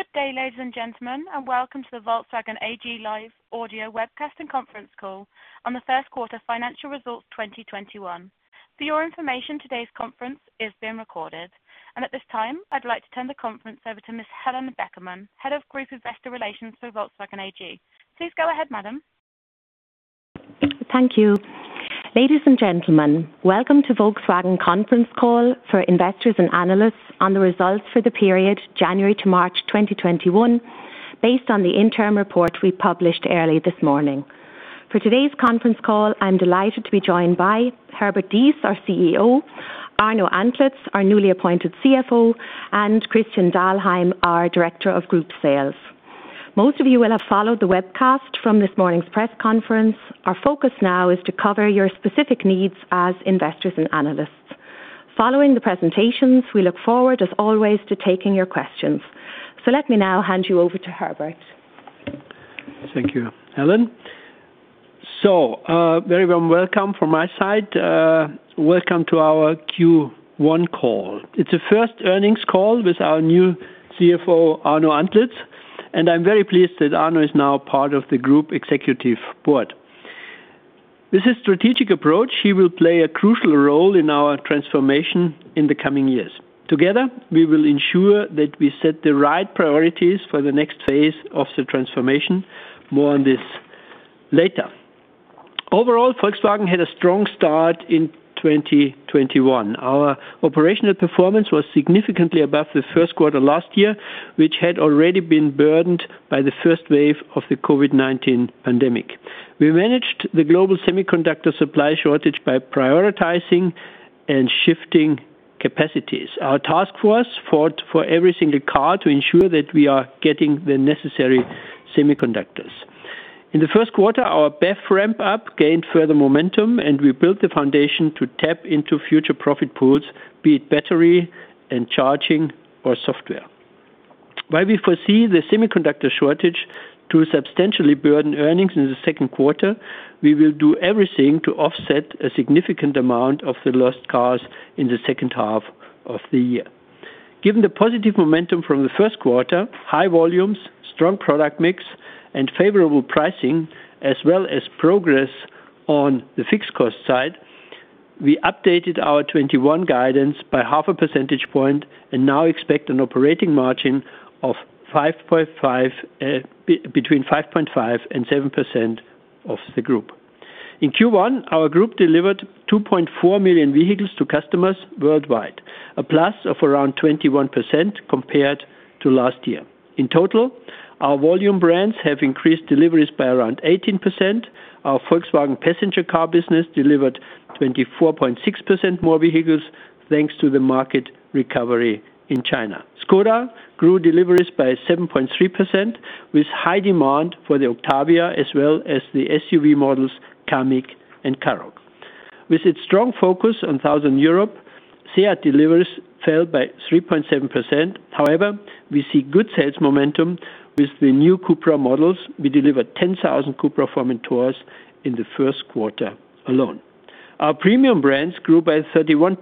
Good day, ladies and gentlemen, and welcome to the Volkswagen AG live audio webcast and conference call on the first quarter financial results 2021. For your information, today's conference is being recorded. At this time, I'd like to turn the conference over to Ms. Helen Beckermann, Head of Group Investor Relations for Volkswagen AG. Please go ahead, madam Thank you. Ladies and gentlemen, welcome to Volkswagen conference call for investors and analysts on the results for the period January to March 2021, based on the interim report we published early this morning. For today's conference call, I am delighted to be joined by Herbert Diess, our CEO, Arno Antlitz, our newly appointed CFO, and Christian Dahlheim, our Director of Group Sales. Most of you will have followed the webcast from this morning's press conference. Our focus now is to cover your specific needs as investors and analysts. Following the presentations, we look forward, as always, to taking your questions. Let me now hand you over to Herbert. Thank you, Helen. Very warm welcome from my side. Welcome to our Q1 call. It's the first earnings call with our new CFO, Arno Antlitz. I'm very pleased that Arno is now part of the group executive board. With his strategic approach, he will play a crucial role in our transformation in the coming years. Together, we will ensure that we set the right priorities for the next phase of the transformation. More on this later. Overall, Volkswagen had a strong start in 2021. Our operational performance was significantly above the first quarter last year, which had already been burdened by the first wave of the COVID-19 pandemic. We managed the global semiconductor supply shortage by prioritizing and shifting capacities. Our task force fought for every single car to ensure that we are getting the necessary semiconductors. In the first quarter, our BEV ramp-up gained further momentum, and we built the foundation to tap into future profit pools, be it battery and charging or software. While we foresee the semiconductor shortage to substantially burden earnings in the second quarter, we will do everything to offset a significant amount of the lost cars in the second half of the year. Given the positive momentum from the first quarter, high volumes, strong product mix, and favorable pricing, as well as progress on the fixed cost side, we updated our 2021 guidance by half a percentage point and now expect an operating margin between 5.5% and 7% of the group. In Q1, our group delivered 2.4 million vehicles to customers worldwide, a plus of around 21% compared to last year. In total, our volume brands have increased deliveries by around 18%. Our Volkswagen passenger car business delivered 24.6% more vehicles, thanks to the market recovery in China. Škoda grew deliveries by 7.3%, with high demand for the Octavia as well as the SUV models Kamiq and Karoq. With its strong focus on Southern Europe, SEAT deliveries fell by 3.7%. However, we see good sales momentum with the new CUPRA models. We delivered 10,000 CUPRA Formentors in the first quarter alone. Our premium brands grew by 31%.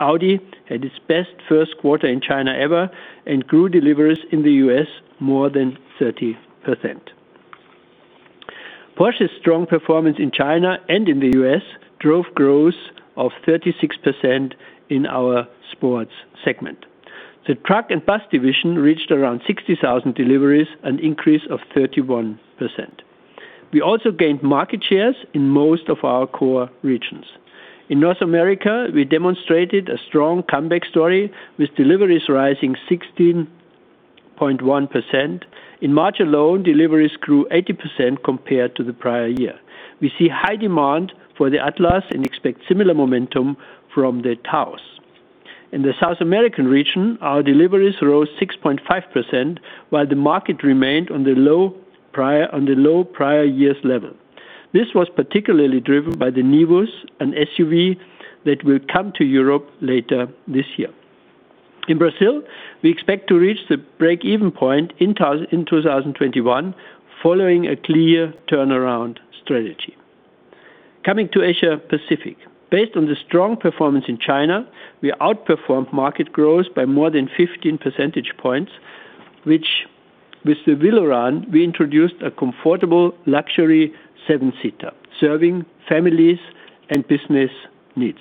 Audi had its best first quarter in China ever and grew deliveries in the U.S. more than 30%. Porsche's strong performance in China and in the U.S. drove growth of 36% in our sports segment. The truck and bus division reached around 60,000 deliveries, an increase of 31%. We also gained market shares in most of our core regions. In North America, we demonstrated a strong comeback story with deliveries rising 16.1%. In March alone, deliveries grew 80% compared to the prior year. We see high demand for the Atlas and expect similar momentum from the Taos. In the South American region, our deliveries rose 6.5% while the market remained on the low prior year's level. This was particularly driven by the Nivus, an SUV that will come to Europe later this year. In Brazil, we expect to reach the break-even point in 2021, following a clear turnaround strategy. Coming to Asia Pacific. Based on the strong performance in China, we outperformed market growth by more than 15 percentage points. With the Viloran, we introduced a comfortable luxury seven-seater, serving families and business needs.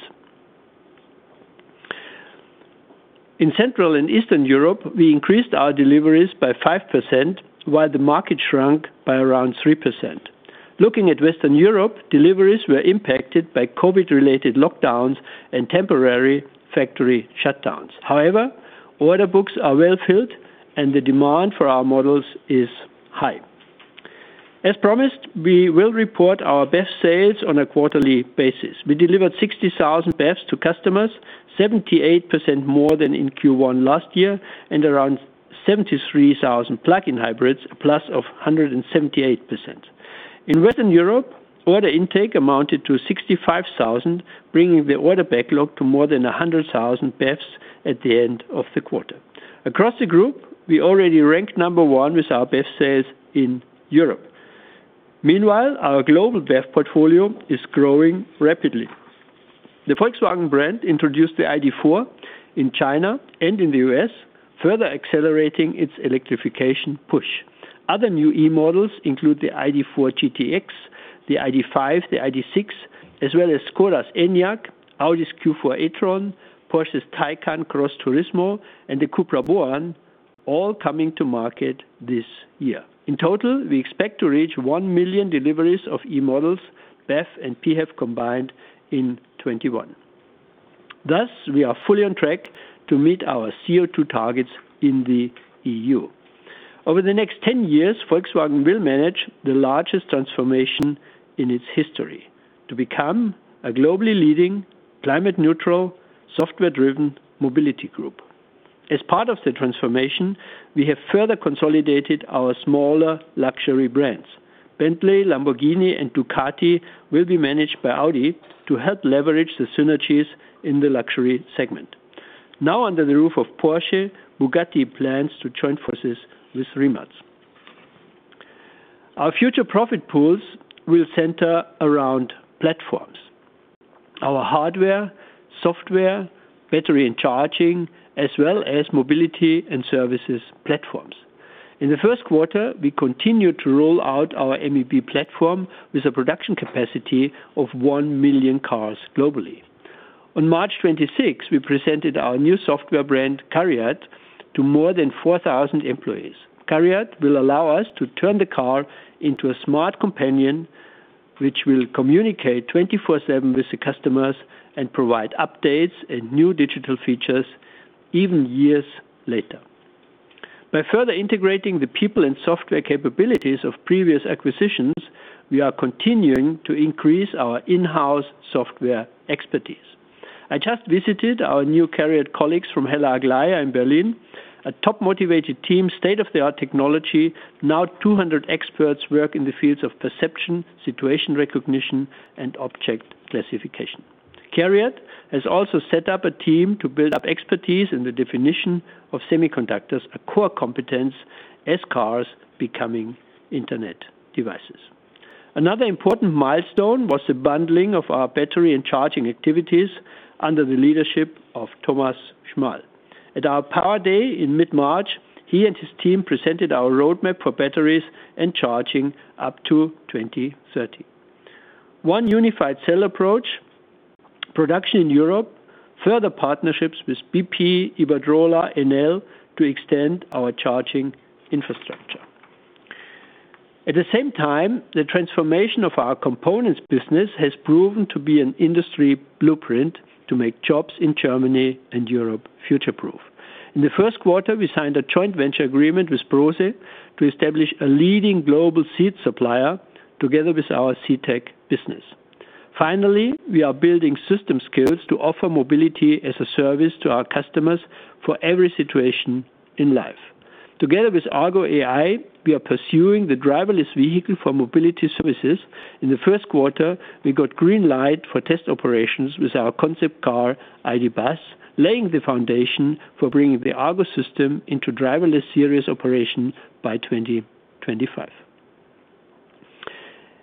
In Central and Eastern Europe, we increased our deliveries by 5% while the market shrunk by around 3%. Looking at Western Europe, deliveries were impacted by COVID-related lockdowns and temporary factory shutdowns. Order books are well filled and the demand for our models is high. As promised, we will report our BEV sales on a quarterly basis. We delivered 60,000 BEVs to customers, 78% more than in Q1 last year, and around 73,000 plug-in hybrids, a plus of 178%. In Western Europe, order intake amounted to 65,000, bringing the order backlog to more than 100,000 BEVs at the end of the quarter. Across the group, we already ranked number one with our BEV sales in Europe. Meanwhile, our global BEV portfolio is growing rapidly. The Volkswagen brand introduced the ID.4 in China and in the U.S., further accelerating its electrification push. Other new E-models include the ID.4 GTX, the ID.5, the ID.6, as well as Škoda's Enyaq, Audi's Q4 e-tron, Porsche's Taycan Cross Turismo, and the CUPRA Born, all coming to market this year. In total, we expect to reach 1 million deliveries of E-models, BEV and PHEV combined, in 2021. Thus, we are fully on track to meet our CO₂ targets in the EU. Over the next 10 years, Volkswagen will manage the largest transformation in its history, to become a globally leading, climate neutral, software-driven mobility group. As part of the transformation, we have further consolidated our smaller luxury brands. Bentley, Lamborghini, and Ducati will be managed by Audi to help leverage the synergies in the luxury segment. Now under the roof of Porsche, Bugatti plans to join forces with Rimac. Our future profit pools will center around platforms. Our hardware, software, battery and charging, as well as mobility and services platforms. In the first quarter, we continued to roll out our MEB platform with a production capacity of 1 million cars globally. On March 26, we presented our new software brand, CARIAD, to more than 4,000 employees. CARIAD will allow us to turn the car into a smart companion, which will communicate 24/7 with the customers and provide updates and new digital features even years later. By further integrating the people and software capabilities of previous acquisitions, we are continuing to increase our in-house software expertise. I just visited our new CARIAD colleagues from Hella Aglaia in Berlin, a top motivated team, state-of-the-art technology. 200 experts work in the fields of perception, situation recognition, and object classification. CARIAD has also set up a team to build up expertise in the definition of semiconductors, a core competence as cars becoming internet devices. Another important milestone was the bundling of our battery and charging activities under the leadership of Thomas Schmall. At our Power Day in mid-March, he and his team presented our roadmap for batteries and charging up to 2030. One unified cell approach, production in Europe, further partnerships with BP, Iberdrola, and Enel to extend our charging infrastructure. At the same time, the transformation of our components business has proven to be an industry blueprint to make jobs in Germany and Europe future-proof. In the first quarter, we signed a joint venture agreement with Brose to establish a leading global seat supplier together with our Sitech business. Finally, we are building system skills to offer mobility as a service to our customers for every situation in life. Together with Argo AI, we are pursuing the driverless vehicle for mobility services. In the first quarter, we got green light for test operations with our concept car, ID. Buzz, laying the foundation for bringing the Argo AI system into driverless series operation by 2025.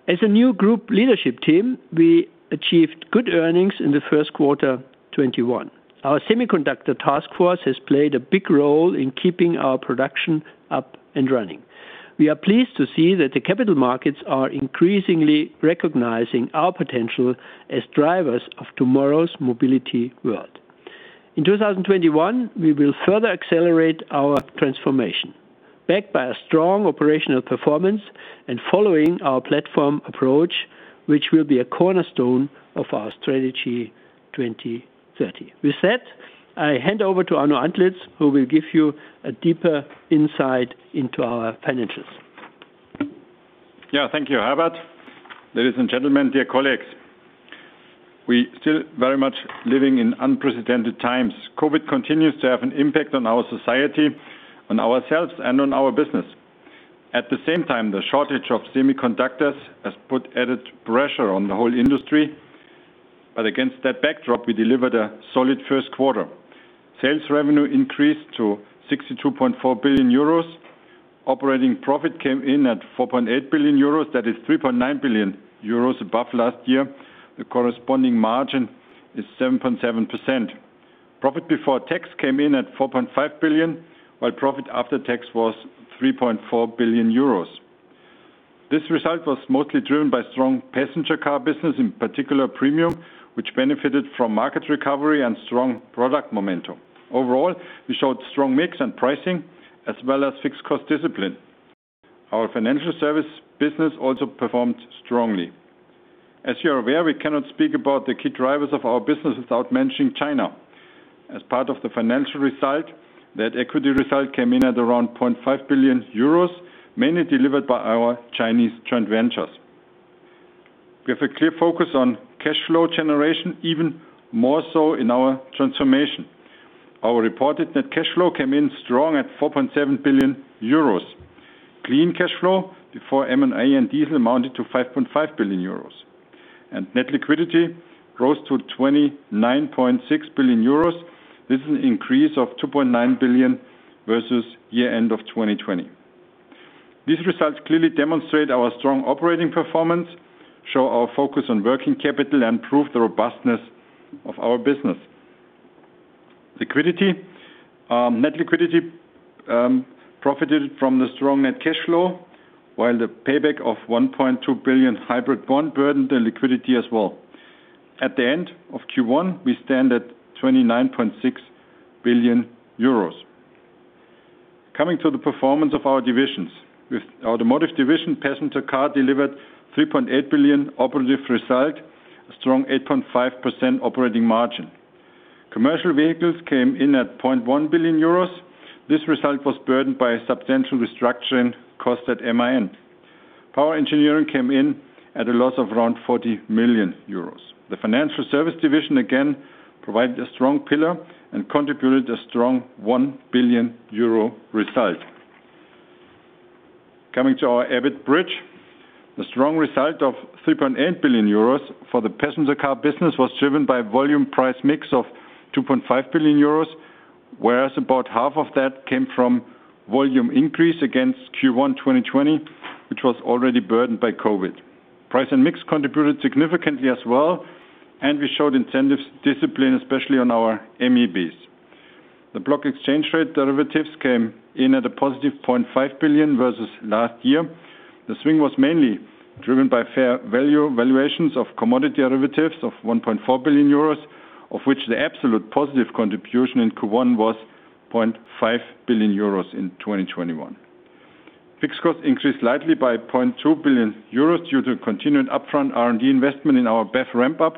As a new group leadership team, we achieved good earnings in Q1 2021. Our semiconductor task force has played a big role in keeping our production up and running. We are pleased to see that the capital markets are increasingly recognizing our potential as drivers of tomorrow's mobility world. In 2021, we will further accelerate our transformation, backed by a strong operational performance and following our platform approach, which will be a cornerstone of our strategy 2030. With that, I hand over to Arno Antlitz, who will give you a deeper insight into our finances. Yeah. Thank you, Herbert. Ladies and gentlemen, dear colleagues, we still very much living in unprecedented times. COVID continues to have an impact on our society, on ourselves, and on our business. At the same time, the shortage of semiconductors has put added pressure on the whole industry. Against that backdrop, we delivered a solid first quarter. Sales revenue increased to 62.4 billion euros. Operating profit came in at 4.8 billion euros. That is 3.9 billion euros above last year. The corresponding margin is 7.7%. Profit before tax came in at 4.5 billion, while profit after tax was 3.4 billion euros. This result was mostly driven by strong passenger car business, in particular premium, which benefited from market recovery and strong product momentum. Overall, we showed strong mix and pricing, as well as fixed cost discipline. Our financial service business also performed strongly. As you are aware, we cannot speak about the key drivers of our business without mentioning China. As part of the financial result, that equity result came in at around 0.5 billion euros, mainly delivered by our Chinese joint ventures. We have a clear focus on cash flow generation, even more so in our transformation. Our reported net cash flow came in strong at 4.7 billion euros. Clean cash flow before M&A and diesel amounted to 5.5 billion euros. Net liquidity rose to 29.6 billion euros. This is an increase of 2.9 billion versus year-end of 2020. These results clearly demonstrate our strong operating performance, show our focus on working capital, and prove the robustness of our business. Net liquidity profited from the strong net cash flow while the payback of 1.2 billion hybrid bond burdened the liquidity as well. At the end of Q1, we stand at 29.6 billion euros. Coming to the performance of our divisions. With Automotive Division, Passenger Car delivered 3.8 billion operative result, a strong 8.5% operating margin. Commercial Vehicles came in at 0.1 billion euros. This result was burdened by a substantial restructuring cost at MAN. Power Engineering came in at a loss of around 40 million euros. The Financial Services Division again provided a strong pillar and contributed a strong 1 billion euro result. Coming to our EBIT bridge. The strong result of 3.8 billion euros for the Passenger Car business was driven by volume price mix of 2.5 billion euros, whereas about half of that came from volume increase against Q1 2020, which was already burdened by COVID-19. Price and mix contributed significantly as well. We showed incentives discipline, especially on our MEBs. The block exchange rate derivatives came in at a positive 0.5 billion versus last year. The swing was mainly driven by fair value valuations of commodity derivatives of 1.4 billion euros, of which the absolute positive contribution in Q1 was 0.5 billion euros in 2021. Fixed costs increased slightly by 0.2 billion euros due to a continuing upfront R&D investment in our BEV ramp-up.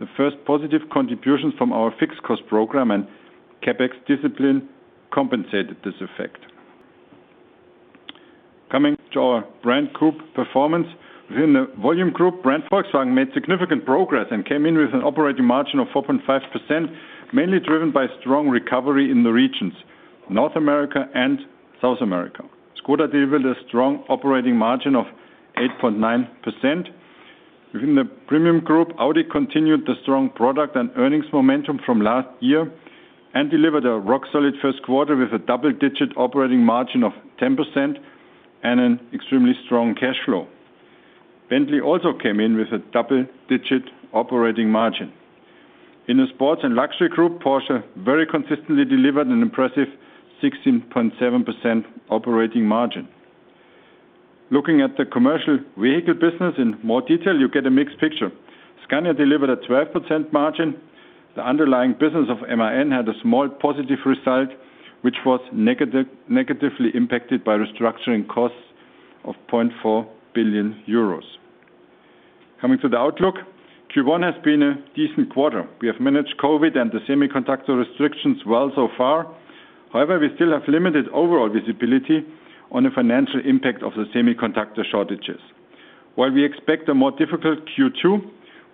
The first positive contributions from our fixed cost program and CapEx discipline compensated this effect. Coming to our brand group performance. Within the volume group, brand Volkswagen made significant progress and came in with an operating margin of 4.5%, mainly driven by strong recovery in the regions North America and South America. Škoda delivered a strong operating margin of 8.9%. Within the premium group, Audi continued the strong product and earnings momentum from last year and delivered a rock-solid first quarter with a double-digit operating margin of 10% and an extremely strong cash flow. Bentley also came in with a double-digit operating margin. In the sports and luxury group, Porsche very consistently delivered an impressive 16.7% operating margin. Looking at the commercial vehicle business in more detail, you get a mixed picture. Scania delivered a 12% margin. The underlying business of MAN had a small positive result, which was negatively impacted by restructuring costs of 0.4 billion euros. Coming to the outlook. Q1 has been a decent quarter. We have managed COVID and the semiconductor restrictions well so far. However, we still have limited overall visibility on the financial impact of the semiconductor shortages. While we expect a more difficult Q2,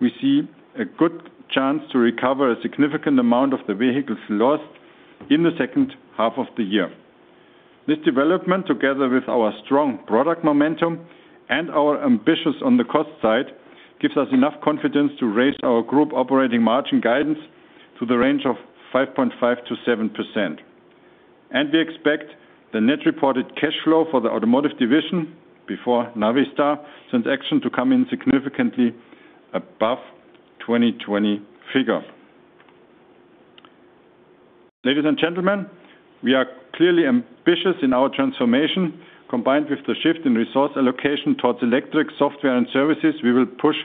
we see a good chance to recover a significant amount of the vehicles lost in the second half of the year. This development, together with our strong product momentum and our ambitions on the cost side, gives us enough confidence to raise our group operating margin guidance to the range of 5.5% to 7%. We expect the net reported cash flow for the Automotive division before Navistar transaction to come in significantly above 2020 figure. Ladies and gentlemen, we are clearly ambitious in our transformation. Combined with the shift in resource allocation towards electric, software, and services, we will push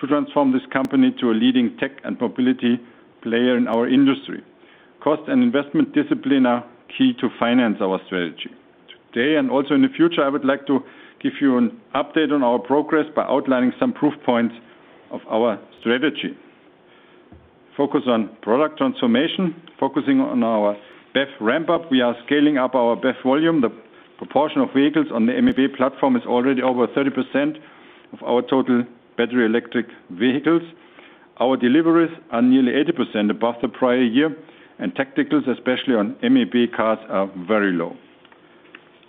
to transform this company to a leading tech and mobility player in our industry. Cost and investment discipline are key to finance our strategy. Today and also in the future, I would like to give you an update on our progress by outlining some proof points of our strategy. Focus on product transformation. Focusing on our BEV ramp-up, we are scaling up our BEV volume. The proportion of vehicles on the MEB platform is already over 30% of our total battery electric vehicles. Our deliveries are nearly 80% above the prior year, and tacticals, especially on MEB cars, are very low.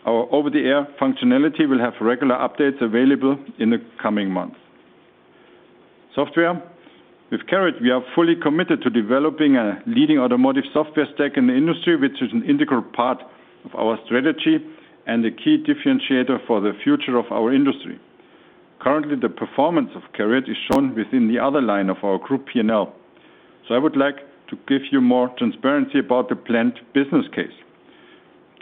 Our over-the-air functionality will have regular updates available in the coming months. Software. With CARIAD, we are fully committed to developing a leading automotive software stack in the industry, which is an integral part of our strategy and a key differentiator for the future of our industry. Currently, the performance of CARIAD is shown within the other line of our group P&L. I would like to give you more transparency about the planned business case.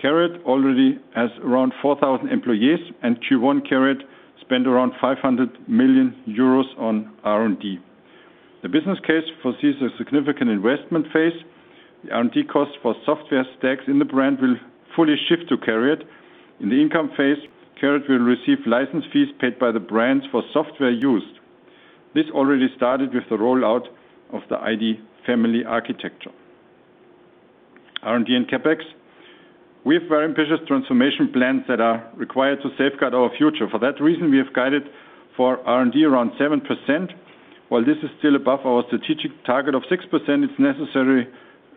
CARIAD already has around 4,000 employees, and Q1 CARIAD spent around 500 million euros on R&D. The business case foresees a significant investment phase. The R&D costs for software stacks in the brand will fully shift to CARIAD. In the income phase, CARIAD will receive license fees paid by the brands for software used. This already started with the rollout of the ID family architecture. R&D and CapEx. We have very ambitious transformation plans that are required to safeguard our future. For that reason, we have guided for R&D around 7%. While this is still above our strategic target of 6%, it's necessary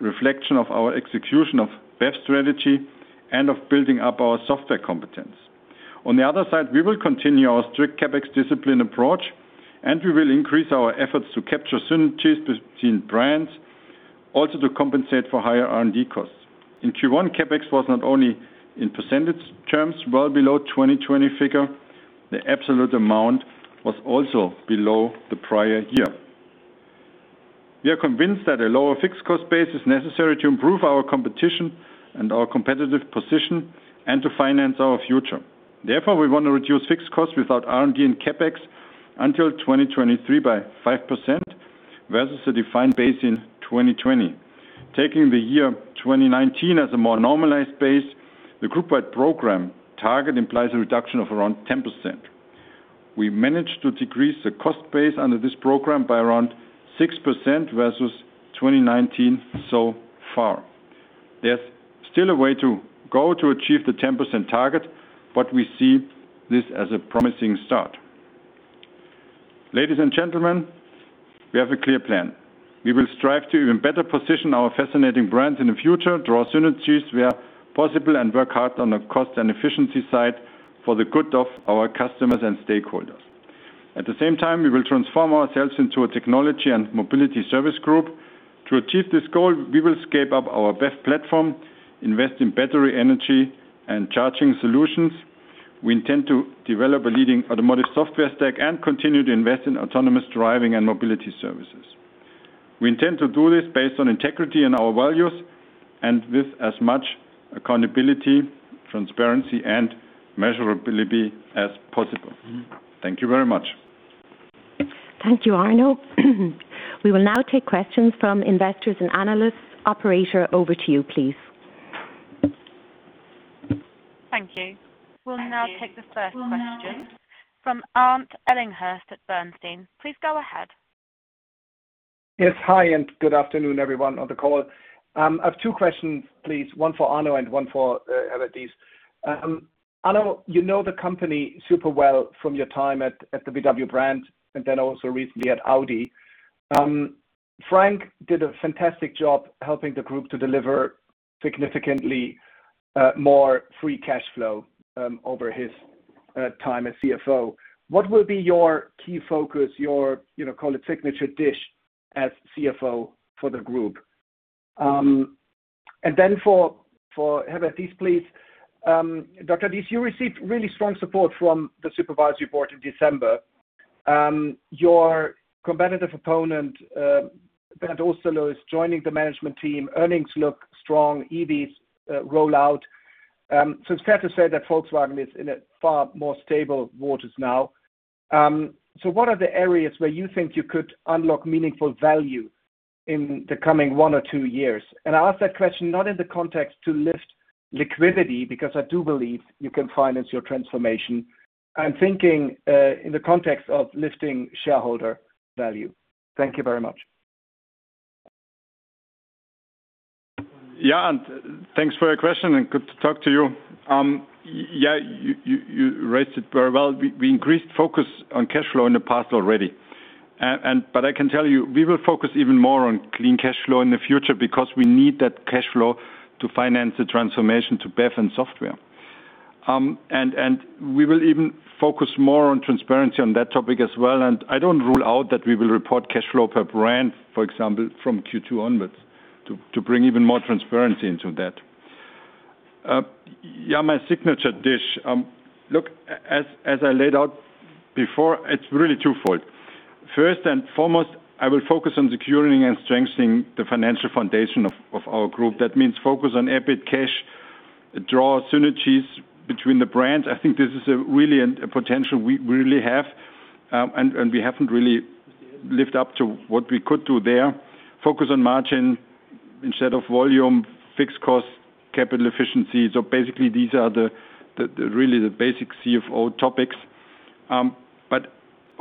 reflection of our execution of BEV strategy and of building up our software competence. On the other side, we will continue our strict CapEx discipline approach, and we will increase our efforts to capture synergies between brands, also to compensate for higher R&D costs. In Q1, CapEx was not only in percentage terms well below 2020 figure, the absolute amount was also below the prior year. We are convinced that a lower fixed cost base is necessary to improve our competition and our competitive position and to finance our future. Therefore, we want to reduce fixed costs without R&D and CapEx until 2023 by 5%, versus the defined base in 2020. Taking the year 2019 as a more normalized base, the group-wide program target implies a reduction of around 10%. We managed to decrease the cost base under this program by around 6% versus 2019 so far. There's still a way to go to achieve the 10% target, but we see this as a promising start. Ladies and gentlemen, we have a clear plan. We will strive to even better position our fascinating brands in the future, draw synergies where possible, and work hard on the cost and efficiency side for the good of our customers and stakeholders. At the same time, we will transform ourselves into a technology and mobility service group. To achieve this goal, we will scale up our BEV platform, invest in battery, energy, and charging solutions. We intend to develop a leading automotive software stack and continue to invest in autonomous driving and mobility services. We intend to do this based on integrity and our values, and with as much accountability, transparency, and measurability as possible. Thank you very much. Thank you, Arno. We will now take questions from investors and analysts. Operator, over to you, please. Thank you. We'll now take the first question from Arndt Ellinghorst at Bernstein. Please go ahead. Yes. Hi, good afternoon everyone on the call. I have two questions, please. One for Arno and one for Herbert Diess. Arno, you know the company super well from your time at the VW brand and then also recently at Audi. Frank did a fantastic job helping the group to deliver significantly more free cash flow over his time as CFO. What will be your key focus, your call it signature dish as CFO for the group? For Herbert Diess, please. Dr. Diess, you received really strong support from the supervisory board in December. Your competitive opponent, Bernd Osterloh, is joining the management team. Earnings look strong, EVs rollout. It's fair to say that Volkswagen is in a far more stable waters now. What are the areas where you think you could unlock meaningful value in the coming one or two years? I ask that question not in the context to lift liquidity, because I do believe you can finance your transformation. I'm thinking in the context of lifting shareholder value. Thank you very much. Yeah, thanks for your question and good to talk to you. You raised it very well. We increased focus on cash flow in the past already. I can tell you, we will focus even more on clean cash flow in the future because we need that cash flow to finance the transformation to BEV and software. We will even focus more on transparency on that topic as well. I don't rule out that we will report cash flow per brand, for example, from Q2 onwards to bring even more transparency into that. My signature dish. Look, as I laid out before, it's really twofold. First and foremost, I will focus on securing and strengthening the financial foundation of our group. That means focus on EBIT cash, draw synergies between the brands. I think this is a potential we really have. We haven't really lived up to what we could do there. Focus on margin instead of volume, fixed cost, capital efficiency. Basically these are really the basic CFO topics.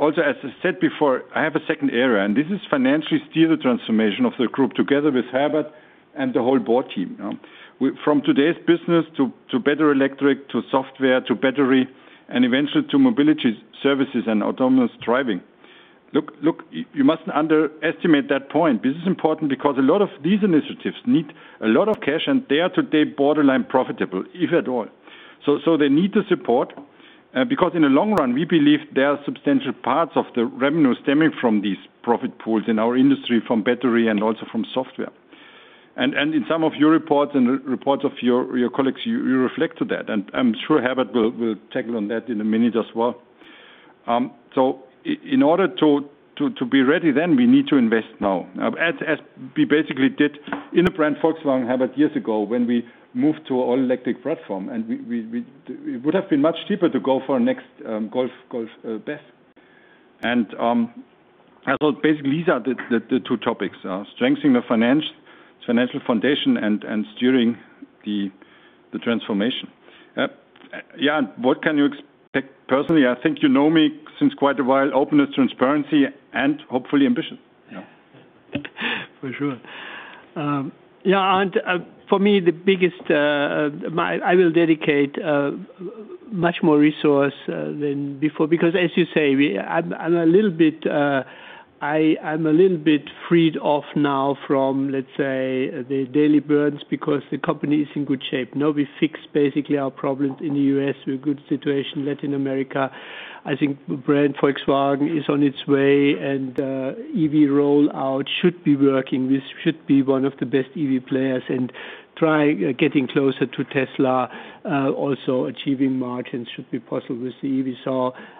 Also, as I said before, I have a second area, and this is financially steer the transformation of the group together with Herbert and the whole board team. From today's business to better electric, to software, to battery, and eventually to mobility services and autonomous driving. You mustn't underestimate that point. This is important because a lot of these initiatives need a lot of cash, and they are today borderline profitable, if at all. They need the support, because in the long run, we believe there are substantial parts of the revenue stemming from these profit pools in our industry, from battery and also from software. In some of your reports and the reports of your colleagues, you reflected that. I'm sure Herbert will tackle on that in a minute as well. In order to be ready then, we need to invest now. As we basically did in the brand Volkswagen, Herbert, years ago when we moved to an all-electric platform. It would have been much cheaper to go for next Golf BEV. I thought basically these are the two topics, strengthening the financial foundation and steering the transformation. What can you expect personally? I think you know me since quite a while. Open to transparency and hopefully ambition. For sure. Arndt, for me, I will dedicate much more resource than before. As you say, I am a little bit freed off now from, let's say, the daily burdens because the company is in good shape. We fixed basically our problems in the U.S. We're in good situation Latin America. I think brand Volkswagen is on its way and EV rollout should be working. We should be one of the best EV players and try getting closer to Tesla. Also achieving margins should be possible with the EV.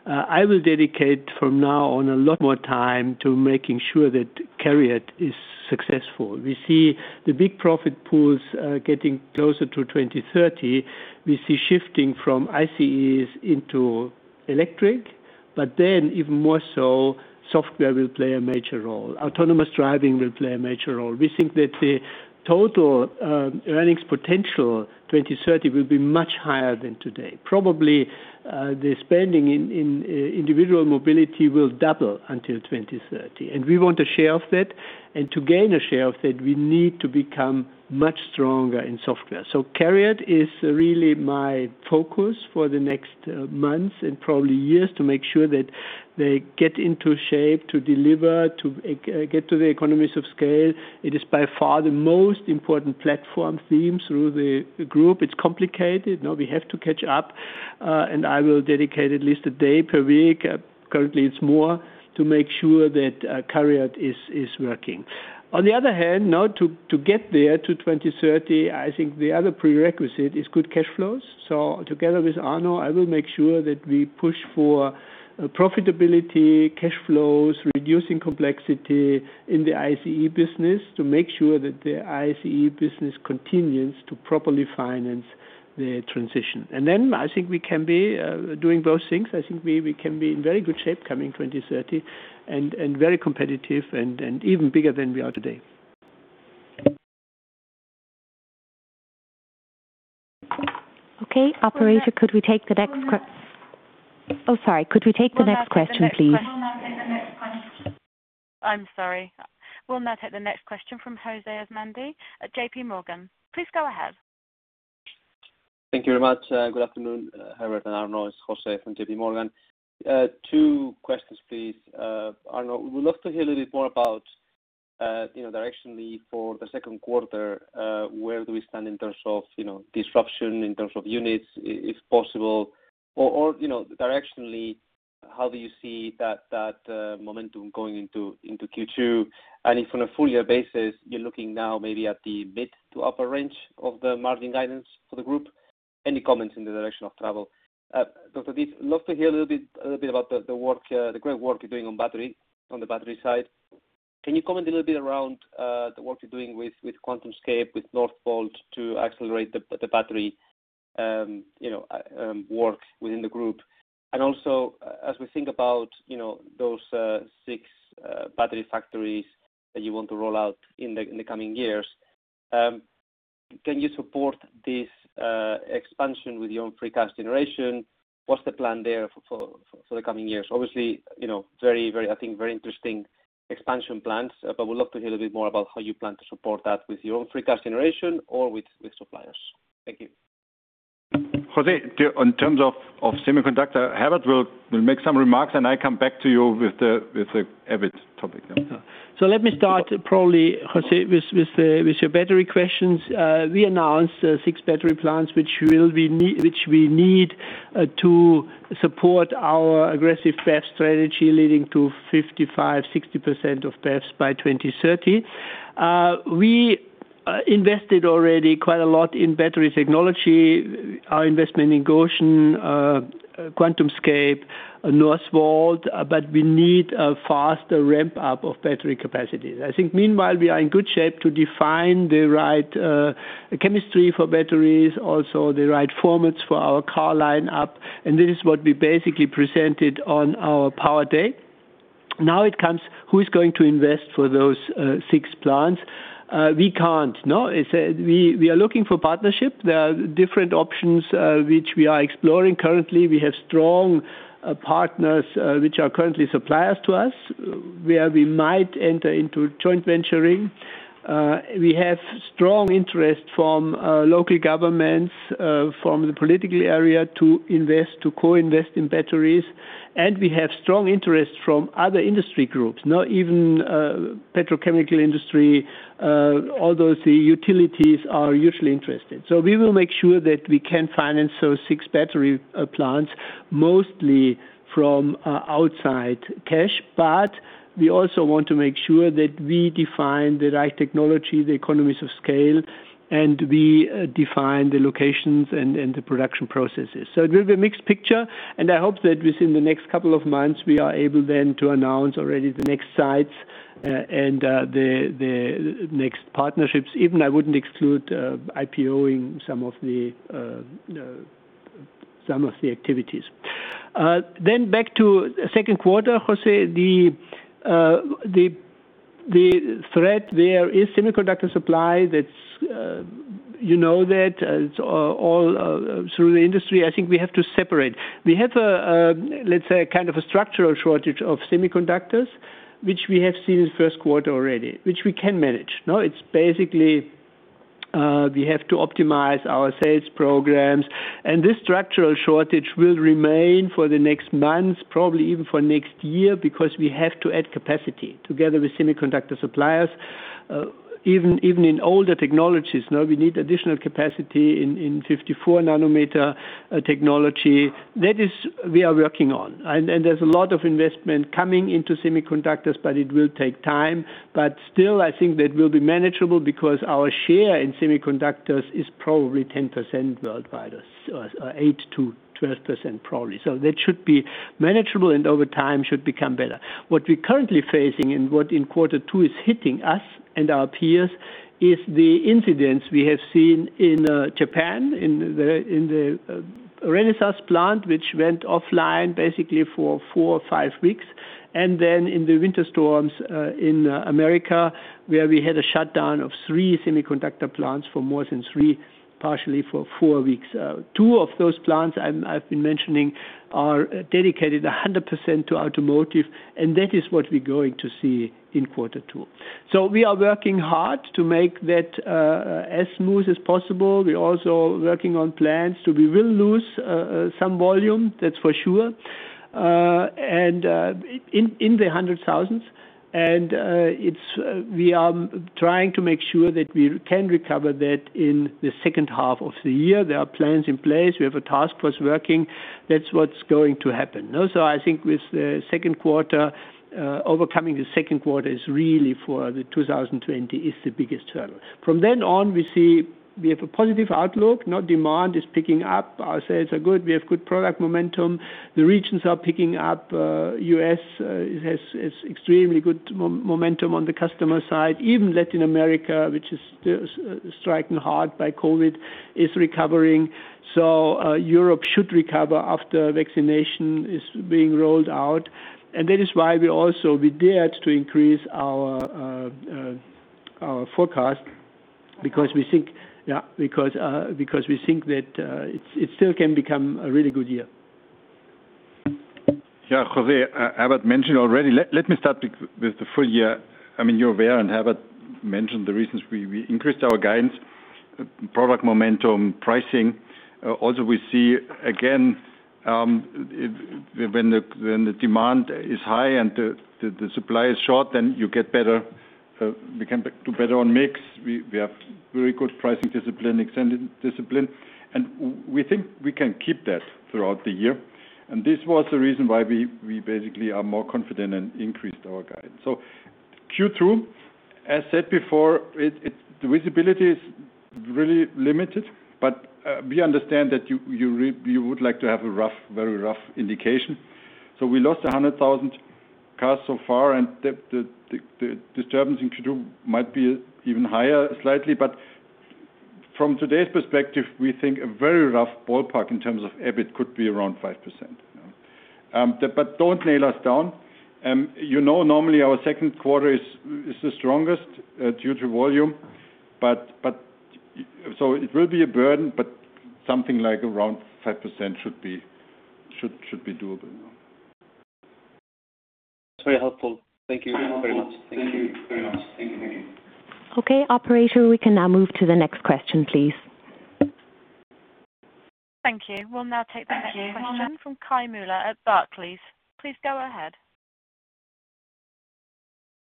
I will dedicate from now on a lot more time to making sure that CARIAD is successful. We see the big profit pools getting closer to 2030. We see shifting from ICEs into electric, but then even more so, software will play a major role. Autonomous driving will play a major role. We think that the total earnings potential 2030 will be much higher than today. Probably, the spending in individual mobility will double until 2030, and we want a share of that. To gain a share of that, we need to become much stronger in software. CARIAD is really my focus for the next months and probably years to make sure that they get into shape to deliver, to get to the economies of scale. It is by far the most important platform theme through the group. It's complicated. We have to catch up. I will dedicate at least a day per week, currently it's more, to make sure that CARIAD is working. On the other hand, now to get there to 2030, I think the other prerequisite is good cash flows. Together with Arno, I will make sure that we push for profitability, cash flows, reducing complexity in the ICE business to make sure that the ICE business continues to properly finance the transition. Then I think we can be doing both things. I think we can be in very good shape coming 2030 and very competitive and even bigger than we are today. Okay. Operator, Could we take the next question, please? We'll now take the next question. I'm sorry. We'll now take the next question from José Asumendi at JPMorgan. Please go ahead. Thank you very much. Good afternoon, Herbert and Arno. It's José from JPMorgan. Two questions, please. Arno, would love to hear a little bit more about directionally for the second quarter, where do we stand in terms of disruption, in terms of units, if possible, or directionally, how do you see that momentum going into Q2? If on a full year basis, you're looking now maybe at the mid to upper range of the margin guidance for the group? Any comments in the direction of travel? Dr. Diess, love to hear a little bit about the great work you're doing on the battery side. Can you comment a little bit around the work you're doing with QuantumScape, with Northvolt to accelerate the battery work within the group? Also, as we think about those six battery factories that you want to roll out in the coming years, can you support this expansion with your own free cash generation? What's the plan there for the coming years? Obviously, I think very interesting expansion plans, but would love to hear a little bit more about how you plan to support that with your own free cash generation or with suppliers. Thank you. José, in terms of semiconductor, Herbert will make some remarks, and I come back to you with the EBIT topic. Yeah. Let me start probably, José, with your battery questions. We announced six battery plants, which we need to support our aggressive BEV strategy, leading to 55%, 60% of BEVs by 2030. We invested already quite a lot in battery technology, our investment in Gotion, QuantumScape, Northvolt, but we need a faster ramp-up of battery capacities. I think meanwhile, we are in good shape to define the right chemistry for batteries, also the right formats for our car line up, and this is what we basically presented on our Power Day. Now it comes, who is going to invest for those six plants? We can't. We are looking for partnership. There are different options, which we are exploring currently. We have strong partners, which are currently suppliers to us, where we might enter into joint venturing. We have strong interest from local governments, from the political area to invest, to co-invest in batteries. We have strong interest from other industry groups. Even petrochemical industry, although the utilities are usually interested. We will make sure that we can finance those six battery plants mostly from outside cash. We also want to make sure that we define the right technology, the economies of scale, and we define the locations and the production processes. It will be a mixed picture, and I hope that within the next couple of months, we are able then to announce already the next sites, and the next partnerships. Even I wouldn't exclude IPO-ing some of the activities. Back to second quarter, José. The threat there is semiconductor supply. You know that. It's all through the industry. I think we have to separate. We have, let's say, a kind of a structural shortage of semiconductors, which we have seen in first quarter already, which we can manage. We have to optimize our sales programs. This structural shortage will remain for the next months, probably even for next year, because we have to add capacity together with semiconductor suppliers, even in older technologies. Now we need additional capacity in 54-nanometer technology. That is, we are working on. There's a lot of investment coming into semiconductors, but it will take time. Still, I think that will be manageable because our share in semiconductors is probably 10% worldwide, or 8%-12% probably. That should be manageable and over time should become better. What we're currently facing and what in quarter two is hitting us and our peers is the incidents we have seen in Japan in the Renesas plant, which went offline basically for four or five weeks. In the winter storms in America, where we had a shutdown of three semiconductor plants for more than three, partially for four weeks. Two of those plants I've been mentioning are dedicated 100% to automotive. That is what we're going to see in quarter two. We are working hard to make that as smooth as possible. We're also working on plans. We will lose some volume, that's for sure, and in the hundred thousands. We are trying to make sure that we can recover that in the second half of the year. There are plans in place. We have a task force working. That's what's going to happen. I think with the second quarter, overcoming the second quarter is really for the 2020 is the biggest hurdle. From then on, we see we have a positive outlook. Now demand is picking up. Our sales are good. We have good product momentum. The regions are picking up. U.S. has extremely good momentum on the customer side. Even Latin America, which is striking hard by COVID, is recovering. Europe should recover after vaccination is being rolled out. That is why we also, we dared to increase our forecast because we think that it still can become a really good year. Yeah, José, Herbert mentioned already. Let me start with the full year. You're aware, Herbert mentioned the reasons we increased our guidance, product momentum, pricing. We see again, when the demand is high and the supply is short, then you get better. We can do better on mix. We have very good pricing discipline, extended discipline, we think we can keep that throughout the year. This was the reason why we basically are more confident and increased our guidance. Q2, as said before, the visibility is really limited, but we understand that you would like to have a very rough indication. We lost 100,000 cars so far, the disturbance in Q2 might be even higher slightly. From today's perspective, we think a very rough ballpark in terms of EBIT could be around 5%. Don't nail us down. You know normally our second quarter is the strongest due to volume. It will be a burden, but something like around 5% should be doable. That's very helpful. Thank you very much. Thank you very much. Okay. Operator, we can now move to the next question, please. Thank you. We'll now take the next question from Kai Mueller at Barclays. Please go ahead.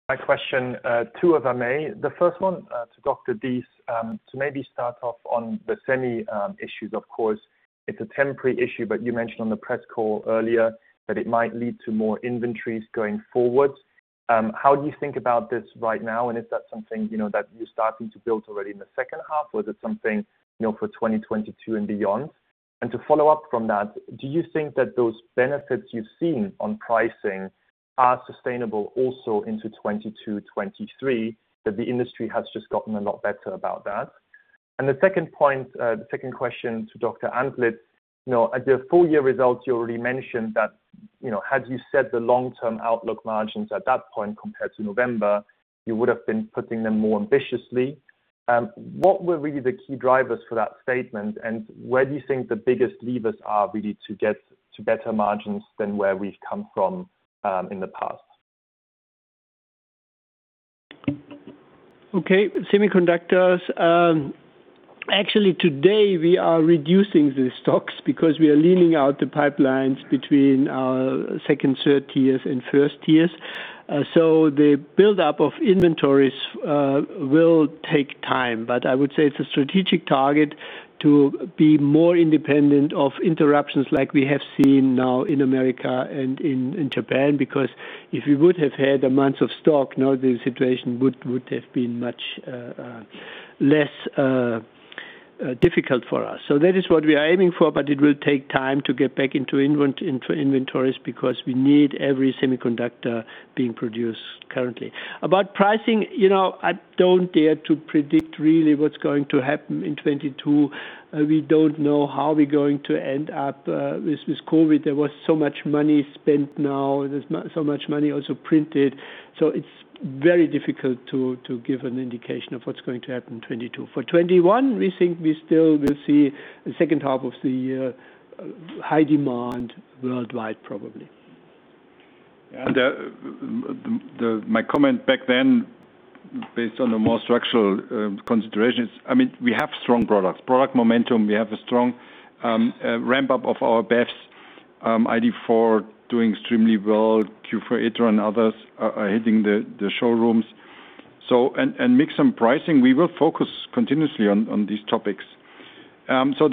My question, two if I may. The first one to Dr. Diess. To maybe start off on the semi issues. Of course, it's a temporary issue, but you mentioned on the press call earlier that it might lead to more inventories going forward. How do you think about this right now? Is that something that you're starting to build already in the second half, or is it something for 2022 and beyond? To follow up from that, do you think that those benefits you've seen on pricing are sustainable also into 2022, 2023, that the industry has just gotten a lot better about that? The second point, the second question to Dr. Antlitz. At the full year results, you already mentioned that had you set the long-term outlook margins at that point compared to November, you would have been putting them more ambitiously. What were really the key drivers for that statement, and where do you think the biggest levers are really to get to better margins than where we've come from in the past? Okay. Semiconductors. Actually today we are reducing the stocks because we are leaning out the pipelines between our second, third tiers and first tiers. The buildup of inventories will take time. I would say it's a strategic target to be more independent of interruptions like we have seen now in the U.S. and in Japan, because if we would have had a month of stock, now the situation would have been much less difficult for us. That is what we are aiming for, it will take time to get back into inventories because we need every semiconductor being produced currently. About pricing, I don't dare to predict really what's going to happen in 2022. We don't know how we're going to end up with COVID. There was so much money spent now. There's so much money also printed. It's very difficult to give an indication of what's going to happen 2022. For 2021, we think we still will see the second half of the year high demand worldwide probably. My comment back then, based on the more structural considerations, we have strong products. Product momentum. We have a strong ramp-up of our BEVs. ID.4 doing extremely well. Q4 e-tron and others are hitting the showrooms. Mix and pricing, we will focus continuously on these topics. Also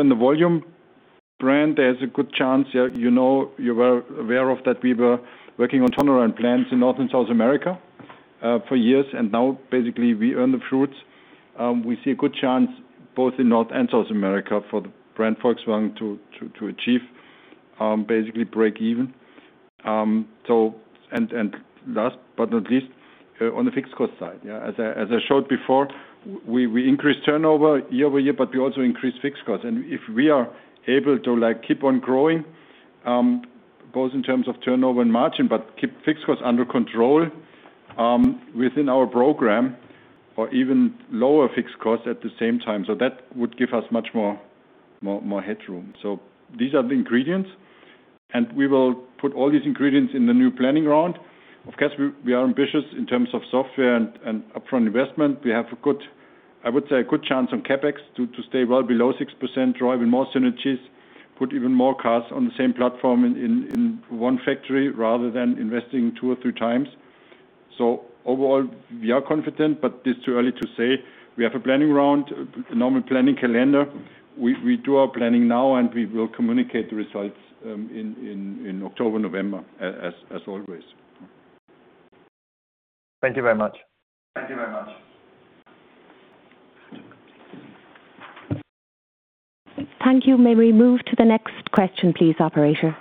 in the volume brand, there's a good chance. You're well aware of that we were working on turnaround plans in North and South America for years, and now basically we earn the fruits. We see a good chance both in North and South America for the brand Volkswagen to achieve basically break even. Last but not least, on the fixed cost side. As I showed before, we increased turnover year-over-year, but we also increased fixed costs. If we are able to keep on growing, both in terms of turnover and margin, but keep fixed costs under control within our program or even lower fixed costs at the same time, so that would give us much more headroom. These are the ingredients, and we will put all these ingredients in the new planning round. Of course, we are ambitious in terms of software and upfront investment. We have, I would say, a good chance on CapEx to stay well below 6%, drive in more synergies, put even more cars on the same platform in one factory rather than investing two or three times. Overall, we are confident, but it's too early to say. We have a planning round, a normal planning calendar. We do our planning now, and we will communicate the results in October, November, as always. Thank you very much. Thank you. May we move to the next question, please, operator.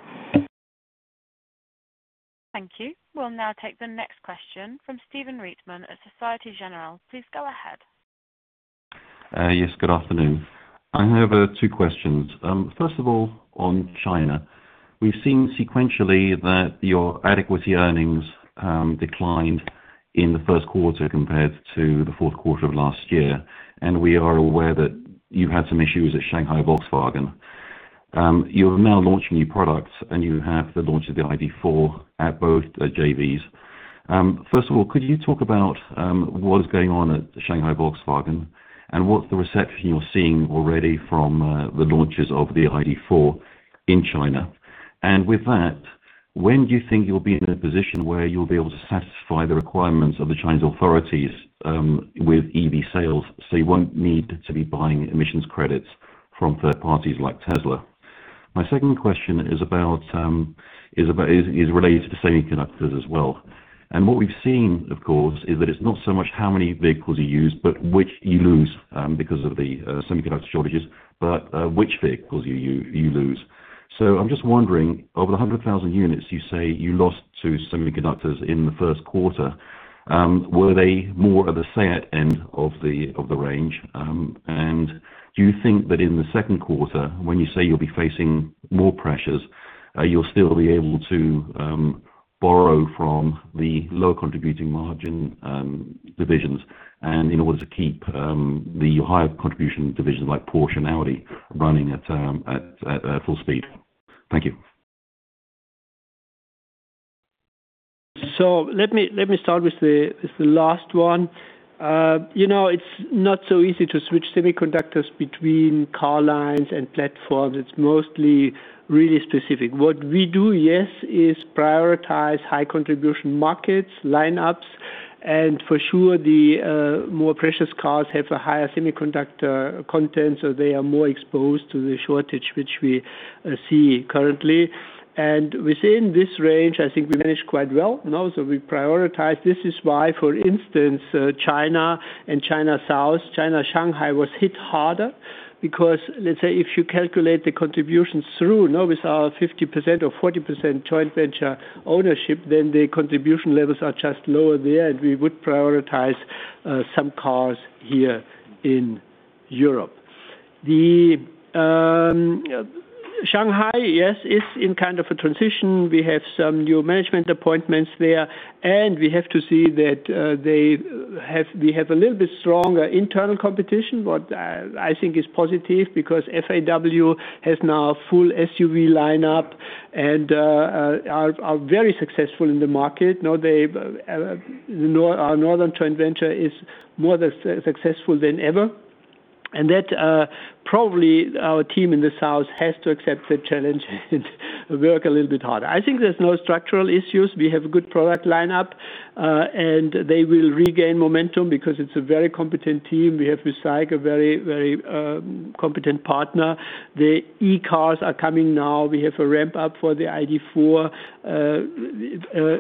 Thank you. We will now take the next question from Stephen Reitman at Société Générale. Please go ahead. Yes, good afternoon. I have two questions. First of all, on China. We've seen sequentially that your equity earnings declined in the first quarter compared to the fourth quarter of last year, and we are aware that you had some issues at SAIC Volkswagen. You are now launching new products, and you have the launch of the ID.4 at both JVs. First of all, could you talk about what is going on at SAIC Volkswagen and what's the reception you're seeing already from the launches of the ID.4 in China? With that, when do you think you'll be in a position where you'll be able to satisfy the requirements of the Chinese authorities with EV sales, so you won't need to be buying emissions credits from third parties like Tesla? My second question is related to semiconductors as well. What we've seen, of course, is that it's not so much how many vehicles you use, but which you lose because of the semiconductor shortages, but which vehicles you lose. I'm just wondering, over the 100,000 units you say you lost to semiconductors in the first quarter, were they more at the SEAT end of the range? Do you think that in the second quarter, when you say you'll be facing more pressures, you'll still be able to borrow from the lower contributing margin divisions and in order to keep the higher contribution divisions like Porsche and Audi running at full speed? Thank you. Let me start with the last one. It's not so easy to switch semiconductors between car lines and platforms. It's mostly really specific. What we do, yes, is prioritize high contribution markets, lineups, and for sure, the more precious cars have a higher semiconductor content, so they are more exposed to the shortage, which we see currently. Within this range, I think we managed quite well. Now, we prioritize. This is why, for instance, China and China South, China Shanghai was hit harder because, let's say, if you calculate the contributions through now with our 50% or 40% joint venture ownership, then the contribution levels are just lower there, and we would prioritize some cars here in Europe. Shanghai, yes, is in kind of a transition. We have some new management appointments there, and we have to see that we have a little bit stronger internal competition, but I think it's positive because FAW has now a full SUV lineup and are very successful in the market. Now our northern joint venture is more successful than ever. That probably our team in the south has to accept the challenge and work a little bit harder. I think there's no structural issues. We have a good product lineup, and they will regain momentum because it's a very competent team. We have with SAIC a very competent partner. The e-cars are coming now. We have a ramp-up for the ID.4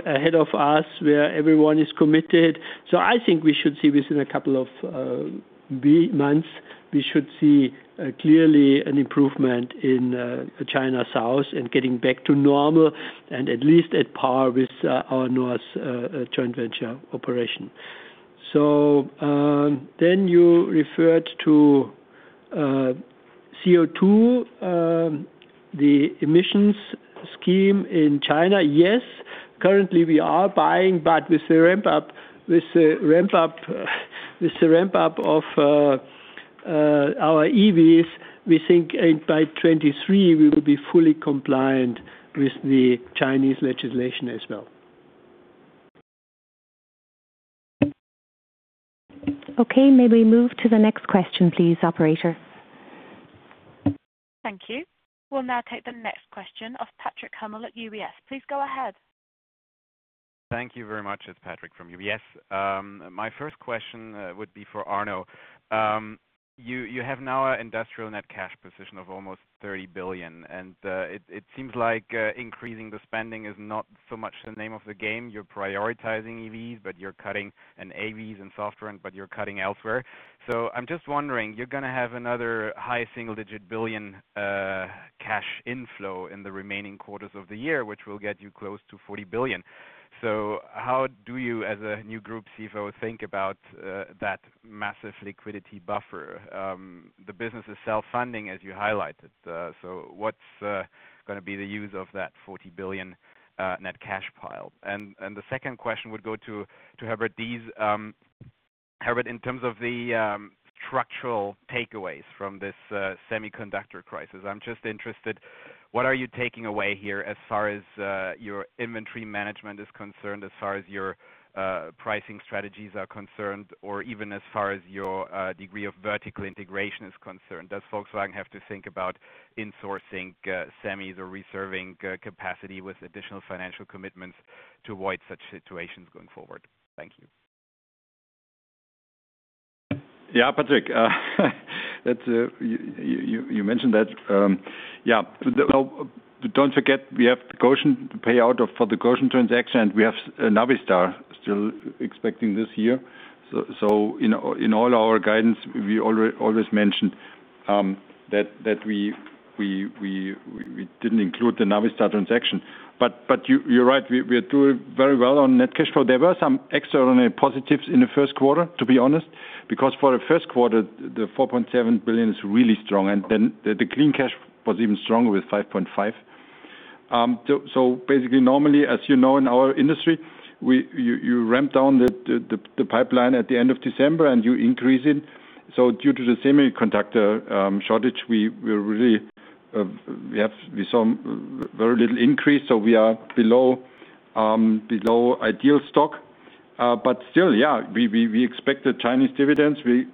ahead of us where everyone is committed. I think within a couple of months, we should see clearly an improvement in China South and getting back to normal and at least at par with our north joint venture operation. You referred to CO2, the emissions scheme in China. Yes, currently we are buying, but with the ramp-up of Our EVs, we think by 2023 we will be fully compliant with the Chinese legislation as well. Okay, may we move to the next question please, operator. Thank you. We'll now take the next question of Patrick Hummel at UBS. Please go ahead. Thank you very much. It's Patrick from UBS. My first question would be for Arno. You have now an industrial net cash position of almost 30 billion. It seems like increasing the spending is not so much the name of the game. You're prioritizing EVs and AVs and software. You're cutting elsewhere. I'm just wondering, you're going to have another high single-digit billion cash inflow in the remaining quarters of the year, which will get you close to 40 billion. How do you, as a new Group CFO, think about that massive liquidity buffer? The business is self-funding, as you highlighted. What's going to be the use of that 40 billion net cash pile? The second question would go to Herbert Diess. Herbert, in terms of the structural takeaways from this semiconductor crisis, I'm just interested, what are you taking away here as far as your inventory management is concerned, as far as your pricing strategies are concerned, or even as far as your degree of vertical integration is concerned? Does Volkswagen have to think about insourcing semis or reserving capacity with additional financial commitments to avoid such situations going forward? Thank you. Patrick, you mentioned that. Don't forget, we have the payout for the Gotion transaction, we have Navistar still expecting this year. In all our guidance, we always mention that we didn't include the Navistar transaction. You're right, we are doing very well on net cash flow. There were some extraordinary positives in the first quarter, to be honest, because for the first quarter, the 4.7 billion is really strong, and then the clean cash was even stronger with 5.5 billion. Basically, normally, as you know in our industry, you ramp down the pipeline at the end of December, and you increase it. Due to the semiconductor shortage, we saw very little increase. Still, yeah, we expect the Chinese dividends. We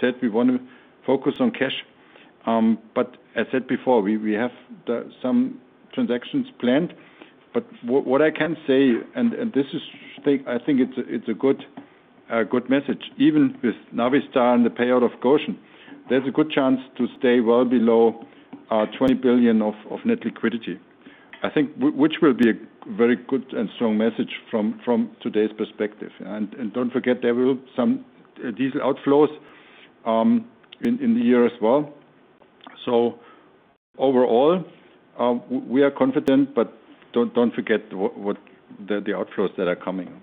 said we want to focus on cash. As said before, we have some transactions planned. What I can say, and I think it's a good message. Even with Navistar and the payout of Gotion, there's a good chance to stay well below our 20 billion of net liquidity. I think, which will be a very good and strong message from today's perspective. Don't forget, there will some diesel outflows in the year as well. Overall, we are confident, but don't forget the outflows that are coming.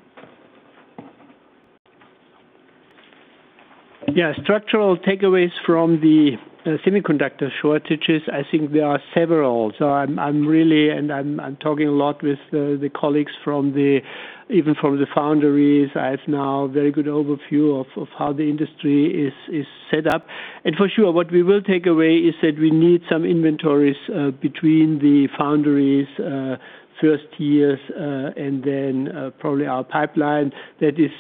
Yeah, structural takeaways from the semiconductor shortages, I think there are several. I'm talking a lot with the colleagues even from the foundries. I have now a very good overview of how the industry is set up. For sure, what we will take away is that we need some inventories between the foundries first tiers, and then probably our pipeline. That is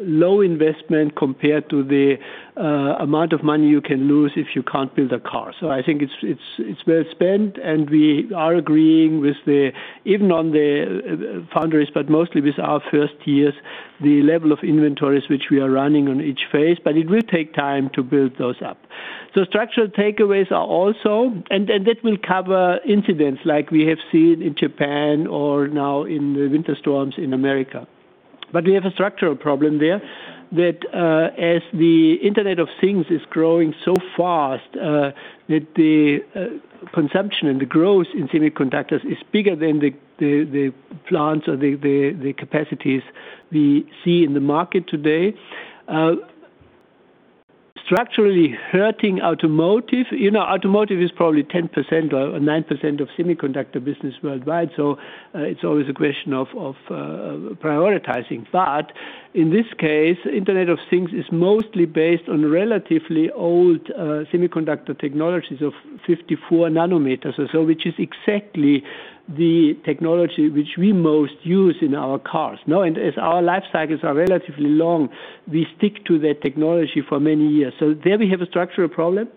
low investment compared to the amount of money you can lose if you can't build a car. I think it's well spent, and we are agreeing with the, even on the foundries, but mostly with our first tiers, the level of inventories which we are running on each phase. It will take time to build those up. Structural takeaways are also, and that will cover incidents like we have seen in Japan or now in the winter storms in America. We have a structural problem there that, as the Internet of Things is growing so fast, that the consumption and the growth in semiconductors is bigger than the plants or the capacities we see in the market today. Structurally hurting automotive. Automotive is probably 10% or 9% of semiconductor business worldwide, so it's always a question of prioritizing. In this case, Internet of Things is mostly based on relatively old semiconductor technologies of 54 nanometers or so, which is exactly the technology which we most use in our cars. As our life cycles are relatively long, we stick to that technology for many years. There we have a structural problem,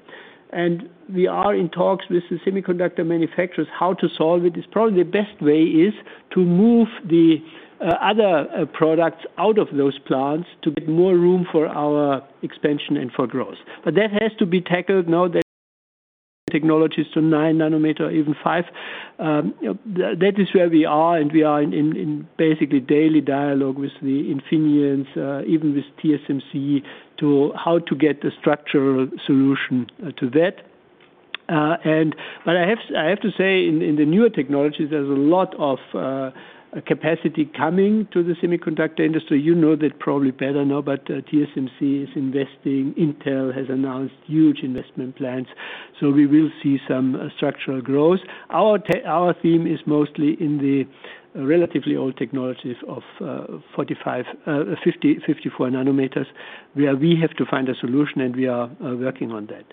and we are in talks with the semiconductor manufacturers how to solve it. It's probably the best way is to move the other products out of those plants to get more room for our expansion and for growth. That has to be tackled now that technologies to nine nanometer, even five. That is where we are, and we are in basically daily dialogue with Infineon, even with TSMC, how to get the structural solution to that. I have to say, in the newer technologies, there's a lot of capacity coming to the semiconductor industry. You know that probably better now, but TSMC is investing. Intel has announced huge investment plans. We will see some structural growth. Our theme is mostly in the relatively old technologies of 45, 50, 54 nanometers, where we have to find a solution, and we are working on that.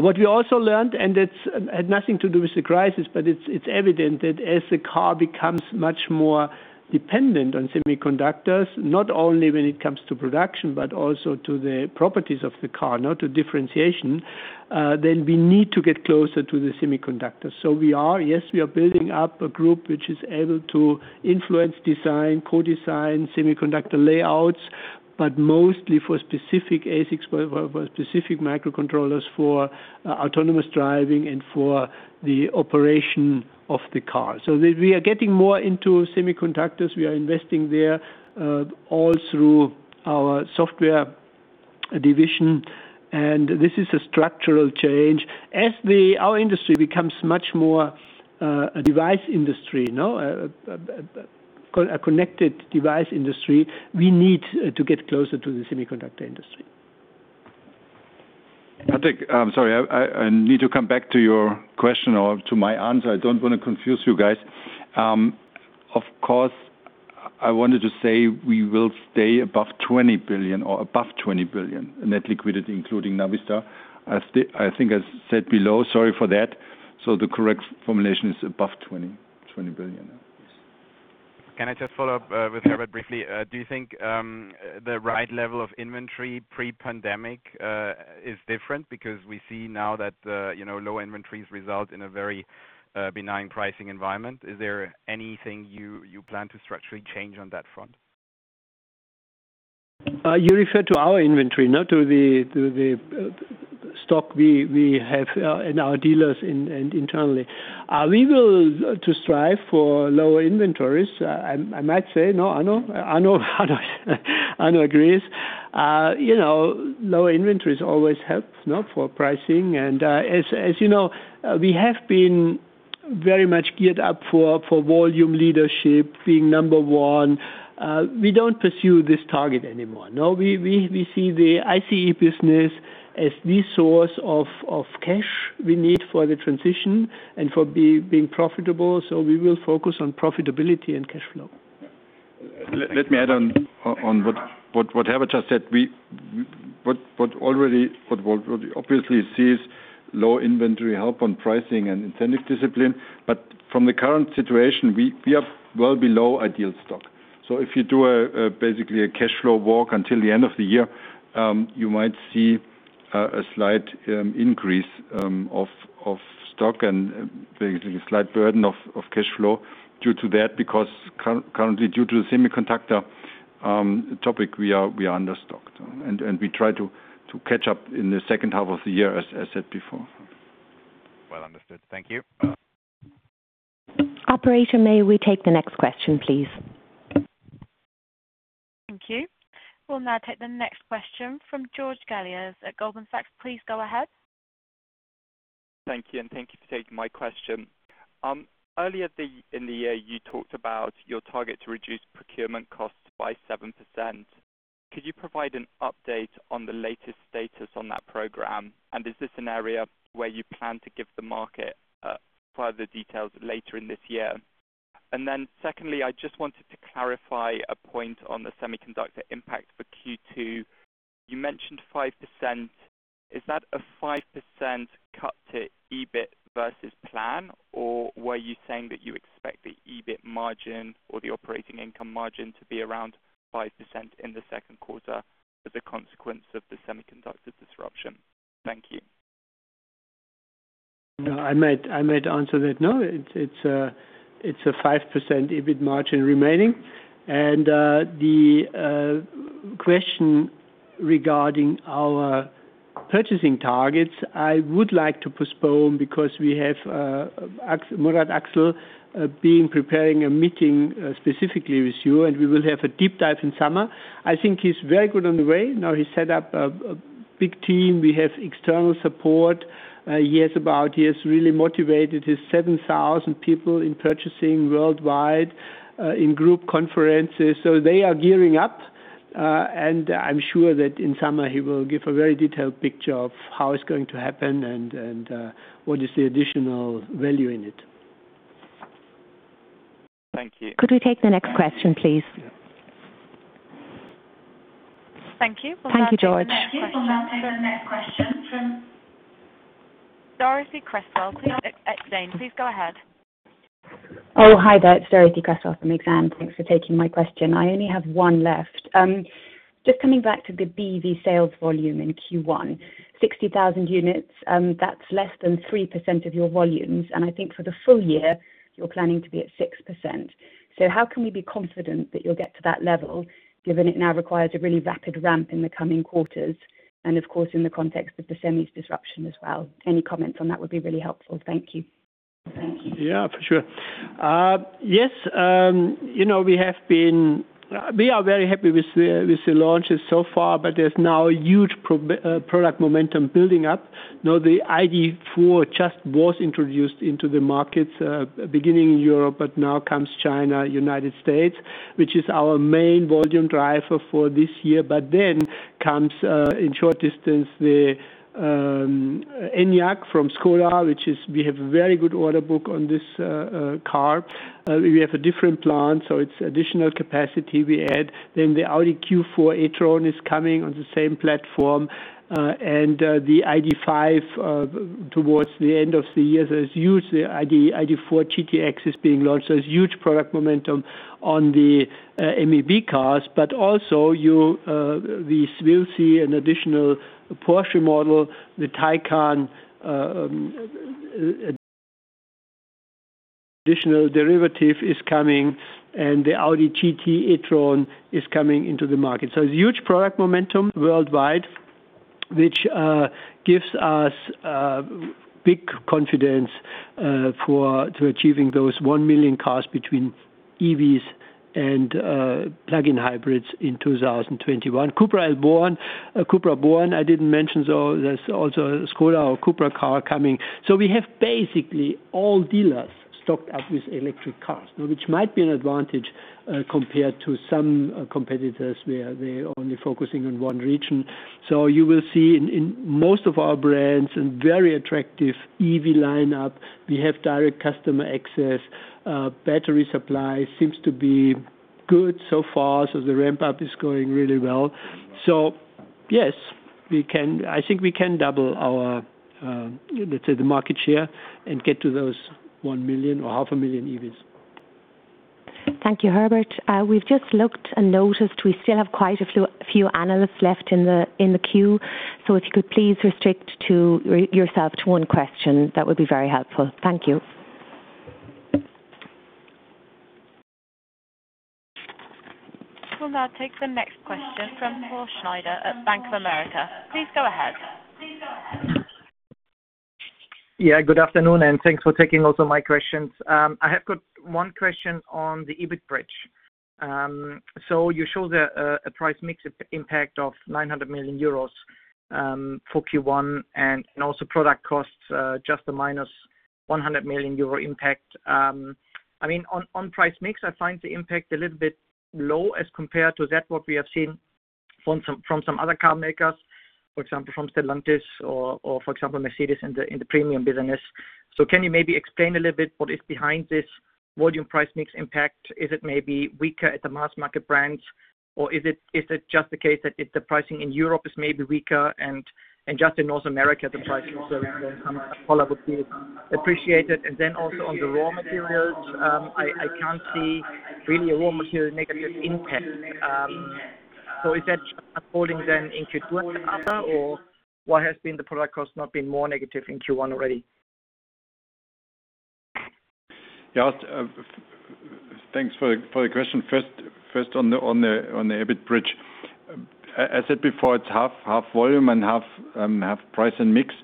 What we also learned, and it had nothing to do with the crisis, but it's evident that as the car becomes much more dependent on semiconductors, not only when it comes to production, but also to the properties of the car, not to differentiation, then we need to get closer to the semiconductors. We are, yes, we are building up a group which is able to influence design, co-design, semiconductor layouts, but mostly for specific ASICs, for specific microcontrollers, for autonomous driving, and for the operation of the car. We are getting more into semiconductors. We are investing there all through our software division. This is a structural change. As our industry becomes much more a device industry, a connected device industry, we need to get closer to the semiconductor industry. Patrick, I'm sorry, I need to come back to your question or to my answer. I don't want to confuse you guys. Of course, I wanted to say we will stay above 20 billion, or above 20 billion net liquidity, including Navistar. I think I said below. Sorry for that. The correct formulation is above 20 billion. Can I just follow up with Herbert briefly? Do you think the right level of inventory pre-pandemic is different? We see now that low inventories result in a very benign pricing environment. Is there anything you plan to structurally change on that front? You refer to our inventory, not to the stock we have in our dealers and internally. We will strive for lower inventories, I might say. Arno agrees. Lower inventories always helps for pricing. As you know, we have been very much geared up for volume leadership, being number one. We don't pursue this target anymore. We see the ICE business as the source of cash we need for the transition and for being profitable. We will focus on profitability and cash flow. Let me add on what Herbert just said. What obviously sees low inventory help on pricing and incentive discipline. From the current situation, we are well below ideal stock. If you do basically a cash flow walk until the end of the year, you might see a slight increase of stock and basically a slight burden of cash flow due to that, because currently, due to the semiconductor topic, we are under stocked, and we try to catch up in the second half of the year, as I said before. Well understood. Thank you. Operator, may we take the next question, please? Thank you. We will now take the next question from George Galliers at Goldman Sachs. Please go ahead. Thank you, and thank you for taking my question. Earlier in the year, you talked about your target to reduce procurement costs by 7%. Could you provide an update on the latest status on that program? Is this an area where you plan to give the market further details later in this year? Secondly, I just wanted to clarify a point on the semiconductor impact for Q2. You mentioned 5%. Is that a 5% cut to EBIT versus plan, or were you saying that you expect the EBIT margin or the operating income margin to be around 5% in the second quarter as a consequence of the semiconductor disruption? Thank you. No, I might answer that now. It's a 5% EBIT margin remaining. The question regarding our purchasing targets, I would like to postpone because we have Murat Aksel been preparing a meeting specifically with you, and we will have a deep dive in summer. I think he's very good on the way now. He set up a big team. We have external support. He has really motivated his 7,000 people in purchasing worldwide in group conferences. They are gearing up, and I'm sure that in summer he will give a very detailed picture of how it's going to happen and what is the additional value in it. Thank you. Could we take the next question, please? Thank you. Thank you, George. We'll now take the next question from Dorothee Cresswell, Exane. Please go ahead. Hi there. It's Dorothee Cresswell from Exane. Thanks for taking my question. I only have one left. Coming back to the BEV sales volume in Q1, 60,000 units, that's less than 3% of your volumes, and I think for the full year, you're planning to be at 6%. How can we be confident that you'll get to that level, given it now requires a really rapid ramp in the coming quarters, and of course, in the context of the semis disruption as well. Any comments on that would be really helpful. Thank you. Yeah, for sure. Yes, we are very happy with the launches so far. There's now a huge product momentum building up. The ID.4 just was introduced into the markets, beginning in Europe, but now comes China, U.S., which is our main volume driver for this year. Comes, in short distance, the Enyaq from Škoda, which we have a very good order book on this car. We have a different plan, so it's additional capacity we add. The Audi Q4 e-tron is coming on the same platform, and the ID.5 towards the end of the year. The ID.4 GTX is being launched. There's huge product momentum on the MEB cars, but also we will see an additional Porsche model, the Taycan additional derivative is coming, and the Audi e-tron GT is coming into the market. There's huge product momentum worldwide, which gives us big confidence to achieving those 1 million cars between EVs and plug-in hybrids in 2021. CUPRA Born, I didn't mention, there's also a Škoda or CUPRA car coming. We have basically all dealers stocked up with electric cars now, which might be an advantage compared to some competitors where they're only focusing on one region. You will see in most of our brands a very attractive EV lineup. We have direct customer access. Battery supply seems to be good so far, the ramp-up is going really well. Yes, I think we can double our, let's say, the market share and get to those 1 million or half a million EVs. Thank you, Herbert. We've just looked and noticed we still have quite a few analysts left in the queue, so if you could please restrict yourself to one question, that would be very helpful. Thank you. We'll now take the next question from Paul Schneider at Bank of America. Please go ahead. Good afternoon, thanks for taking also my questions. I have got one question on the EBIT bridge. You show a price mix impact of 900 million euros for Q1 and also product costs just a minus 100 million euro impact. On price mix, I find the impact a little bit low as compared to that what we have seen from some other car makers, for example, from Stellantis or, for example, Mercedes-Benz in the premium business. Can you maybe explain a little bit what is behind this volume price mix impact? Is it maybe weaker at the mass market brands, or is it just the case that the pricing in Europe is maybe weaker and just in North America, the pricing is a call would be appreciated. Also on the raw materials, I can't see really a raw material negative impact. Is that just unfolding then in Q2 and other, or why has been the product cost not been more negative in Q1 already? Yeah. Thanks for the question. First on the EBIT bridge. As said before, it's half volume and half price and mix.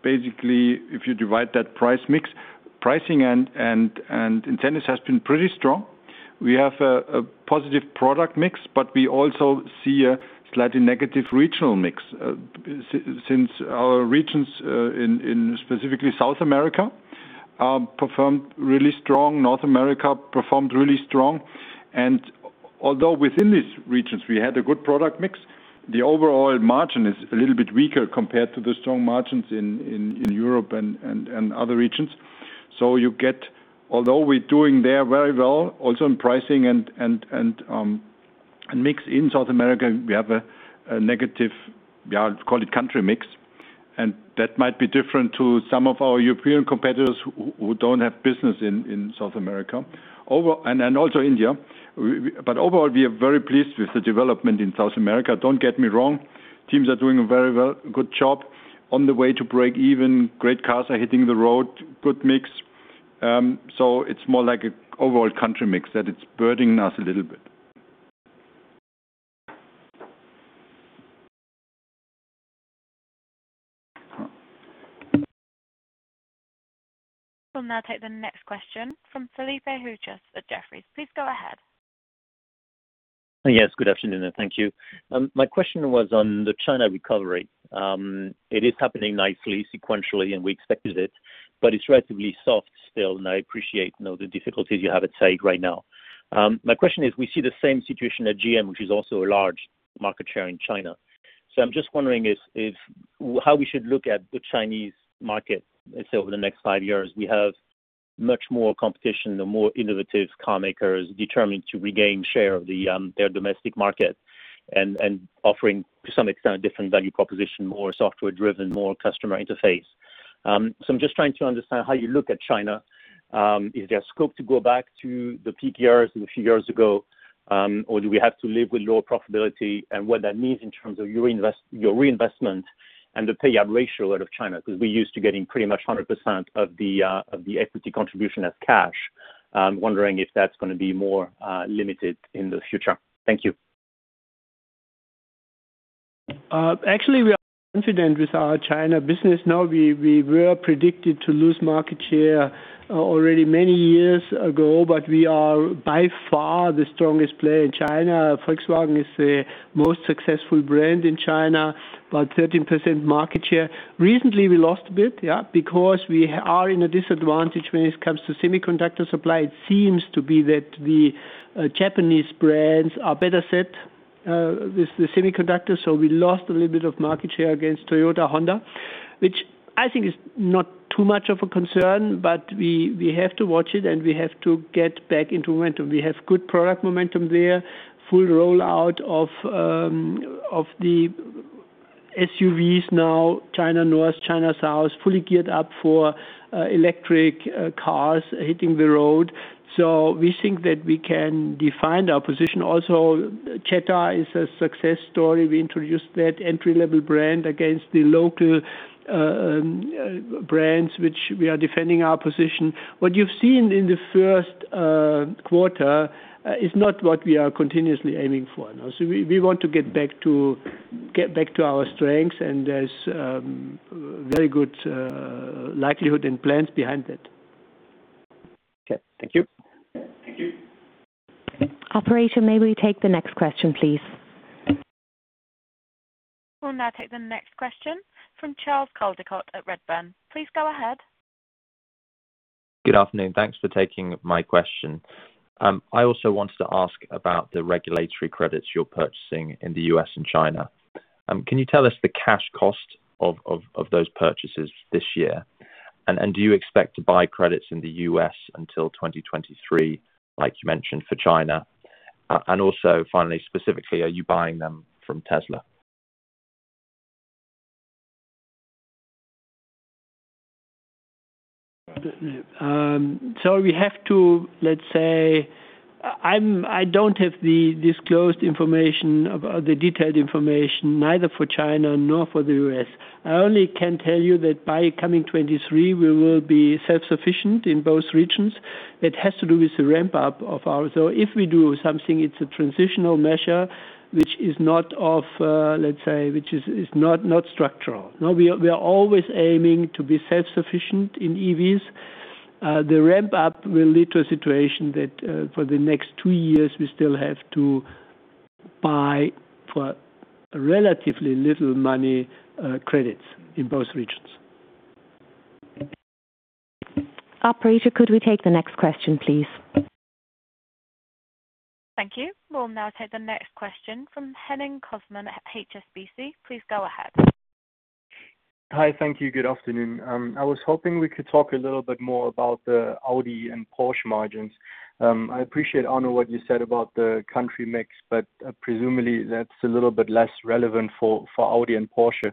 Basically, if you divide that price mix, pricing and intent has been pretty strong. We have a positive product mix, but we also see a slightly negative regional mix. Since our regions, in specifically South America, performed really strong, North America performed really strong, and although within these regions we had a good product mix, the overall margin is a little bit weaker compared to the strong margins in Europe and other regions. Although we're doing there very well also in pricing and mix in South America, we have a negative, call it country mix, and that might be different to some of our European competitors who don't have business in South America and also India. Overall, we are very pleased with the development in South America. Don't get me wrong. Teams are doing a very good job on the way to break even. Great cars are hitting the road. Good mix. It's more like an overall country mix that it's burdening us a little bit. We'll now take the next question from Philippe Houchois at Jefferies. Please go ahead. Good afternoon, and thank you. My question was on the China recovery. It is happening nicely sequentially, and we expected it, but it is relatively soft still, and I appreciate now the difficulties you have at site right now. My question is, we see the same situation at GM, which is also a large market share in China. I am just wondering how we should look at the Chinese market, let's say, over the next five years. We have much more competition and more innovative car makers determined to regain share of their domestic market and offering, to some extent, a different value proposition, more software driven, more customer interface. I am just trying to understand how you look at China. Is there scope to go back to the peak years a few years ago? Do we have to live with lower profitability and what that means in terms of your reinvestment and the payout ratio out of China? We're used to getting pretty much 100% of the equity contribution as cash. I'm wondering if that's going to be more limited in the future. Thank you. Actually, we are confident with our China business now. We were predicted to lose market share already many years ago. We are by far the strongest player in China. Volkswagen is the most successful brand in China, about 13% market share. Recently, we lost a bit, yeah, because we are in a disadvantage when it comes to semiconductor supply. It seems to be that the Japanese brands are better set with the semiconductors. We lost a little bit of market share against Toyota, Honda. Which I think is not too much of a concern, but we have to watch it and we have to get back into momentum. We have good product momentum there, full rollout of the SUVs now, China North, China South, fully geared up for electric cars hitting the road. We think that we can define our position. Also, Jetta is a success story. We introduced that entry-level brand against the local brands, which we are defending our position. What you've seen in the first quarter is not what we are continuously aiming for. We want to get back to our strengths, and there's very good likelihood and plans behind it. Okay. Thank you. Thank you. Operator, may we take the next question, please? We'll now take the next question from Charles Coldicott at Redburn. Please go ahead. Good afternoon. Thanks for taking my question. I also wanted to ask about the regulatory credits you're purchasing in the U.S. and China. Can you tell us the cash cost of those purchases this year? Do you expect to buy credits in the U.S. until 2023, like you mentioned for China? Also finally, specifically, are you buying them from Tesla? We have to, let's say, I don't have the disclosed information, the detailed information, neither for China nor for the U.S. I only can tell you that by coming 2023, we will be self-sufficient in both regions. If we do something, it's a transitional measure, which is not structural. Now, we are always aiming to be self-sufficient in EVs. The ramp-up will lead to a situation that for the next two years, we still have to buy, for relatively little money, credits in both regions. Operator, could we take the next question, please? Thank you. We'll now take the next question from Henning Cosman at HSBC. Please go ahead. Hi. Thank you. Good afternoon. I was hoping we could talk a little bit more about the Audi and Porsche margins. I appreciate, Arno, what you said about the country mix, but presumably that's a little bit less relevant for Audi and Porsche.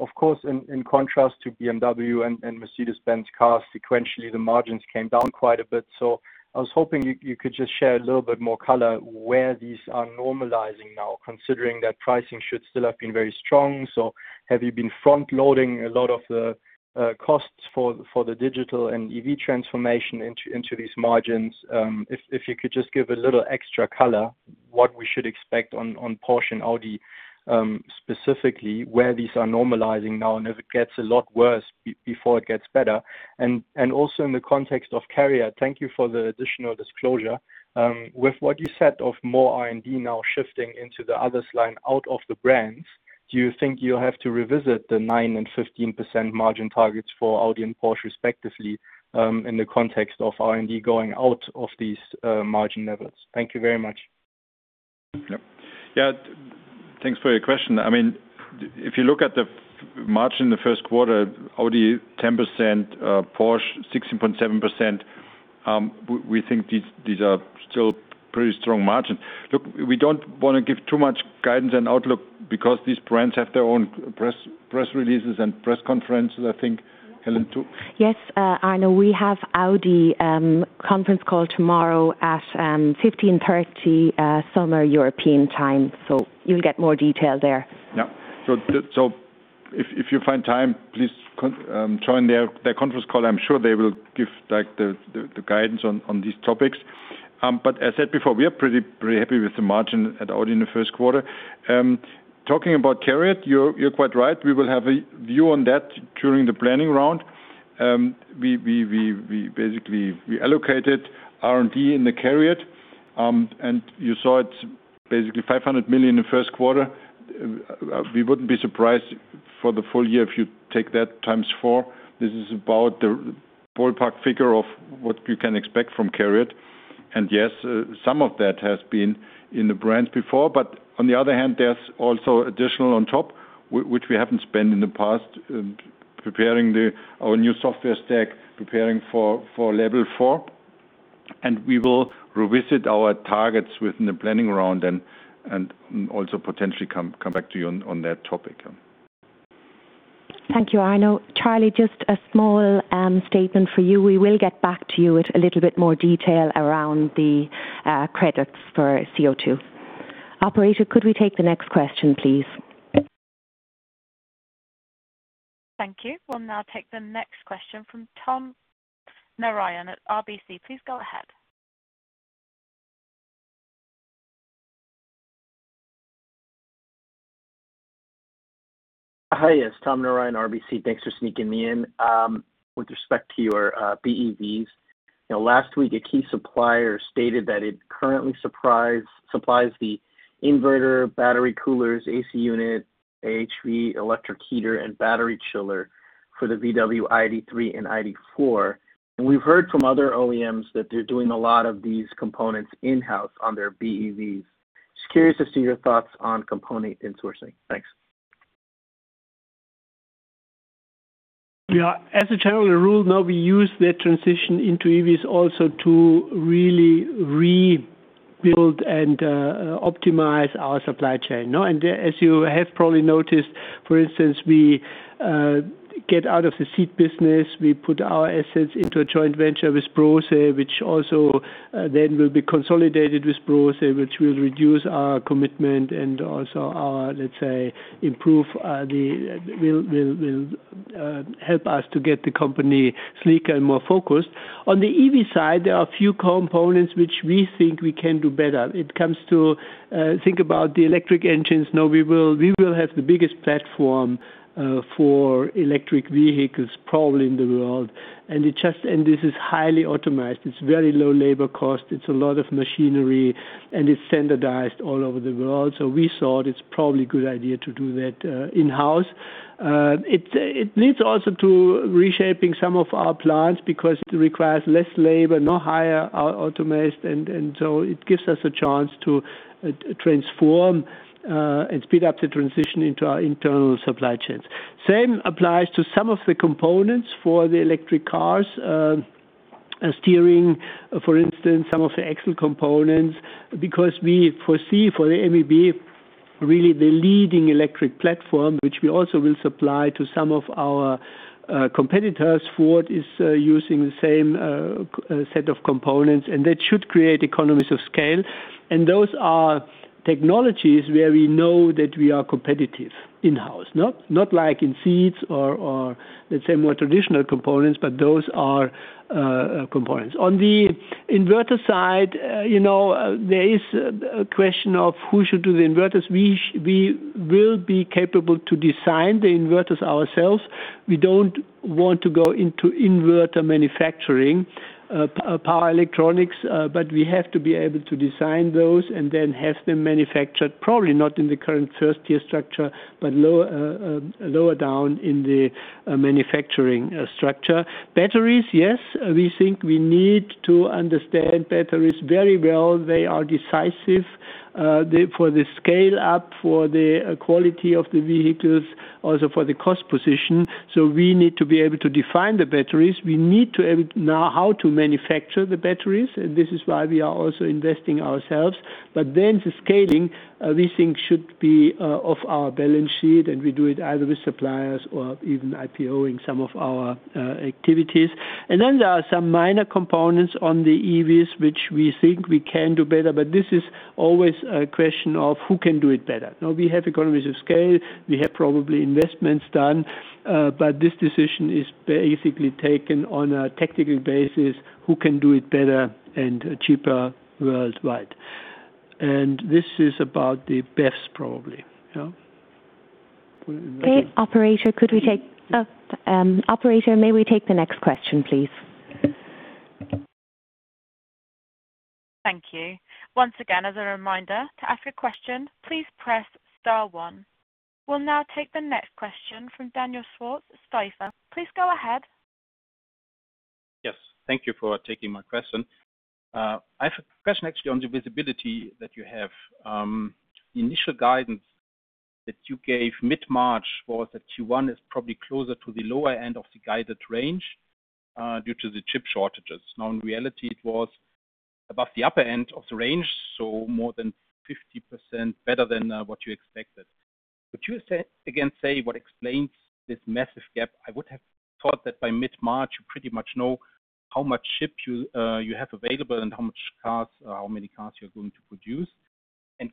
Of course, in contrast to BMW and Mercedes-Benz cars, sequentially, the margins came down quite a bit. I was hoping you could just share a little bit more color where these are normalizing now, considering that pricing should still have been very strong. Have you been front-loading a lot of the costs for the digital and EV transformation into these margins? If you could just give a little extra color, what we should expect on Porsche and Audi, specifically, where these are normalizing now, and if it gets a lot worse before it gets better. Also in the context of CARIAD, thank you for the additional disclosure. With what you said of more R&D now shifting into the others line out of the brands, do you think you'll have to revisit the 9% and 15% margin targets for Audi and Porsche respectively in the context of R&D going out of these margin levels? Thank you very much. Yeah, thanks for your question. If you look at the margin in the first quarter, Audi 10%, Porsche 16.7%. We think these are still pretty strong margins. We don't want to give too much guidance and outlook because these brands have their own press releases and press conferences, I think, Helen, too. Yes, Arno, we have Audi conference call tomorrow at 3:30 P.M. Summer European time, so you'll get more detail there. If you find time, please join their conference call. I'm sure they will give the guidance on these topics. As said before, we are pretty happy with the margin at Audi in the first quarter. Talking about CARIAD, you're quite right. We will have a view on that during the planning round. We allocated R&D in the CARIAD, and you saw it, basically 500 million in the first quarter. We wouldn't be surprised for the full year if you take that times four. This is about the ballpark figure of what you can expect from CARIAD. Yes, some of that has been in the brands before, on the other hand, there's also additional on top, which we haven't spent in the past preparing our new software stack, preparing for level four. We will revisit our targets within the planning round and also potentially come back to you on that topic. Thank you, Arno. Charles, just a small statement for you. We will get back to you with a little bit more detail around the credits for CO2. Operator, could we take the next question, please? Thank you. We'll now take the next question from Tom Narayan at RBC. Please go ahead. Hi, it's Tom Narayan, RBC. Thanks for sneaking me in. With respect to your BEVs, last week a key supplier stated that it currently supplies the inverter, battery coolers, AC unit, HV electric heater, and battery chiller for the VW ID.3 and ID.4. We've heard from other OEMs that they're doing a lot of these components in-house on their BEVs. Just curious to see your thoughts on component insourcing. Thanks. Yeah. As a general rule now, we use that transition into EVs also to really rebuild and optimize our supply chain. As you have probably noticed, for instance, we get out of the seat business. We put our assets into a joint venture with Brose, which also then will be consolidated with Brose, which will reduce our commitment and also, let's say, will help us to get the company sleeker and more focused. On the EV side, there are a few components which we think we can do better. It comes to think about the electric engines. We will have the biggest platform for electric vehicles probably in the world. This is highly automized. It's very low labor cost, it's a lot of machinery, and it's standardized all over the world. We thought it's probably a good idea to do that in-house. It leads also to reshaping some of our plants because it requires less labor, no hire, are automized, it gives us a chance to transform and speed up the transition into our internal supply chains. Same applies to some of the components for the electric cars. Steering, for instance, some of the axle components, because we foresee for the MEB really the leading electric platform, which we also will supply to some of our competitors. Ford is using the same set of components, that should create economies of scale. Those are technologies where we know that we are competitive in-house. Not like in seats or, let’s say, more traditional components, those are components. On the inverter side, there is a question of who should do the inverters. We will be capable to design the inverters ourselves. We don't want to go into inverter manufacturing, power electronics, but we have to be able to design those and then have them manufactured, probably not in the current first-tier structure, but lower down in the manufacturing structure. Batteries, yes. We think we need to understand batteries very well. They are decisive for the scale-up, for the quality of the vehicles, also for the cost position. We need to be able to define the batteries. We need to know how to manufacture the batteries, and this is why we are also investing ourselves. The scaling, we think should be off our balance sheet, and we do it either with suppliers or even IPO-ing some of our activities. There are some minor components on the EVs, which we think we can do better, but this is always a question of who can do it better. Now we have economies of scale, we have probably investments done, but this decision is basically taken on a technical basis, who can do it better and cheaper worldwide. This is about the best, probably. Yeah. Okay. Operator, may we take the next question, please? Thank you. Once again, as a reminder, to ask a question, please press star one. We will now take the next question from Daniel Schwarz at Stifel. Please go ahead. Yes. Thank you for taking my question. I have a question actually on the visibility that you have. Initial guidance that you gave mid-March was that Q1 is probably closer to the lower end of the guided range due to the chip shortages. In reality, it was above the upper end of the range, so more than 50% better than what you expected. Would you again say what explains this massive gap? I would have thought that by mid-March, you pretty much know how much chip you have available and how many cars you're going to produce.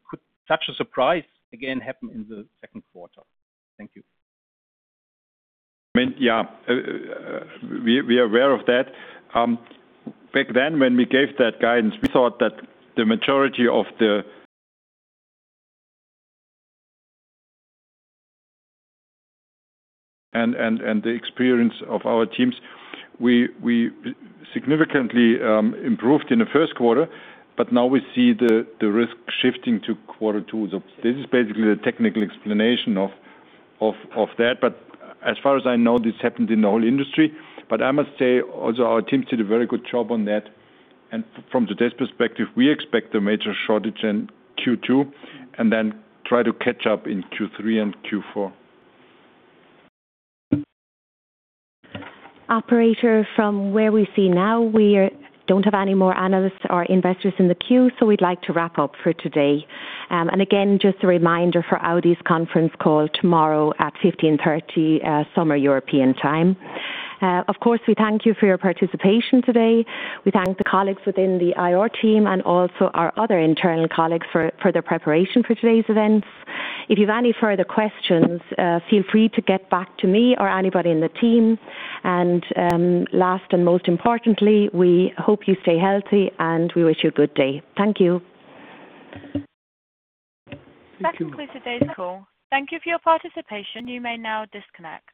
Could such a surprise again happen in the second quarter? Thank you. We are aware of that. Back then when we gave that guidance, we thought that the majority of the.- And the experience of our teams. We significantly improved in the first quarter, but now we see the risk shifting to quarter two. This is basically the technical explanation of that. As far as I know, this happened in the whole industry. I must say also our teams did a very good job on that. From today's perspective, we expect a major shortage in Q2, and then try to catch up in Q3 and Q4. Operator, from where we see now, we don't have any more analysts or investors in the queue. We'd like to wrap up for today. Again, just a reminder for Audi's conference call tomorrow at 15:30 Summer European time. Of course, we thank you for your participation today. We thank the colleagues within the IR team and also our other internal colleagues for their preparation for today's events. If you have any further questions, feel free to get back to me or anybody in the team. Last and most importantly, we hope you stay healthy, and we wish you a good day. Thank you. That concludes today's call. Thank you for your participation. You may now disconnect.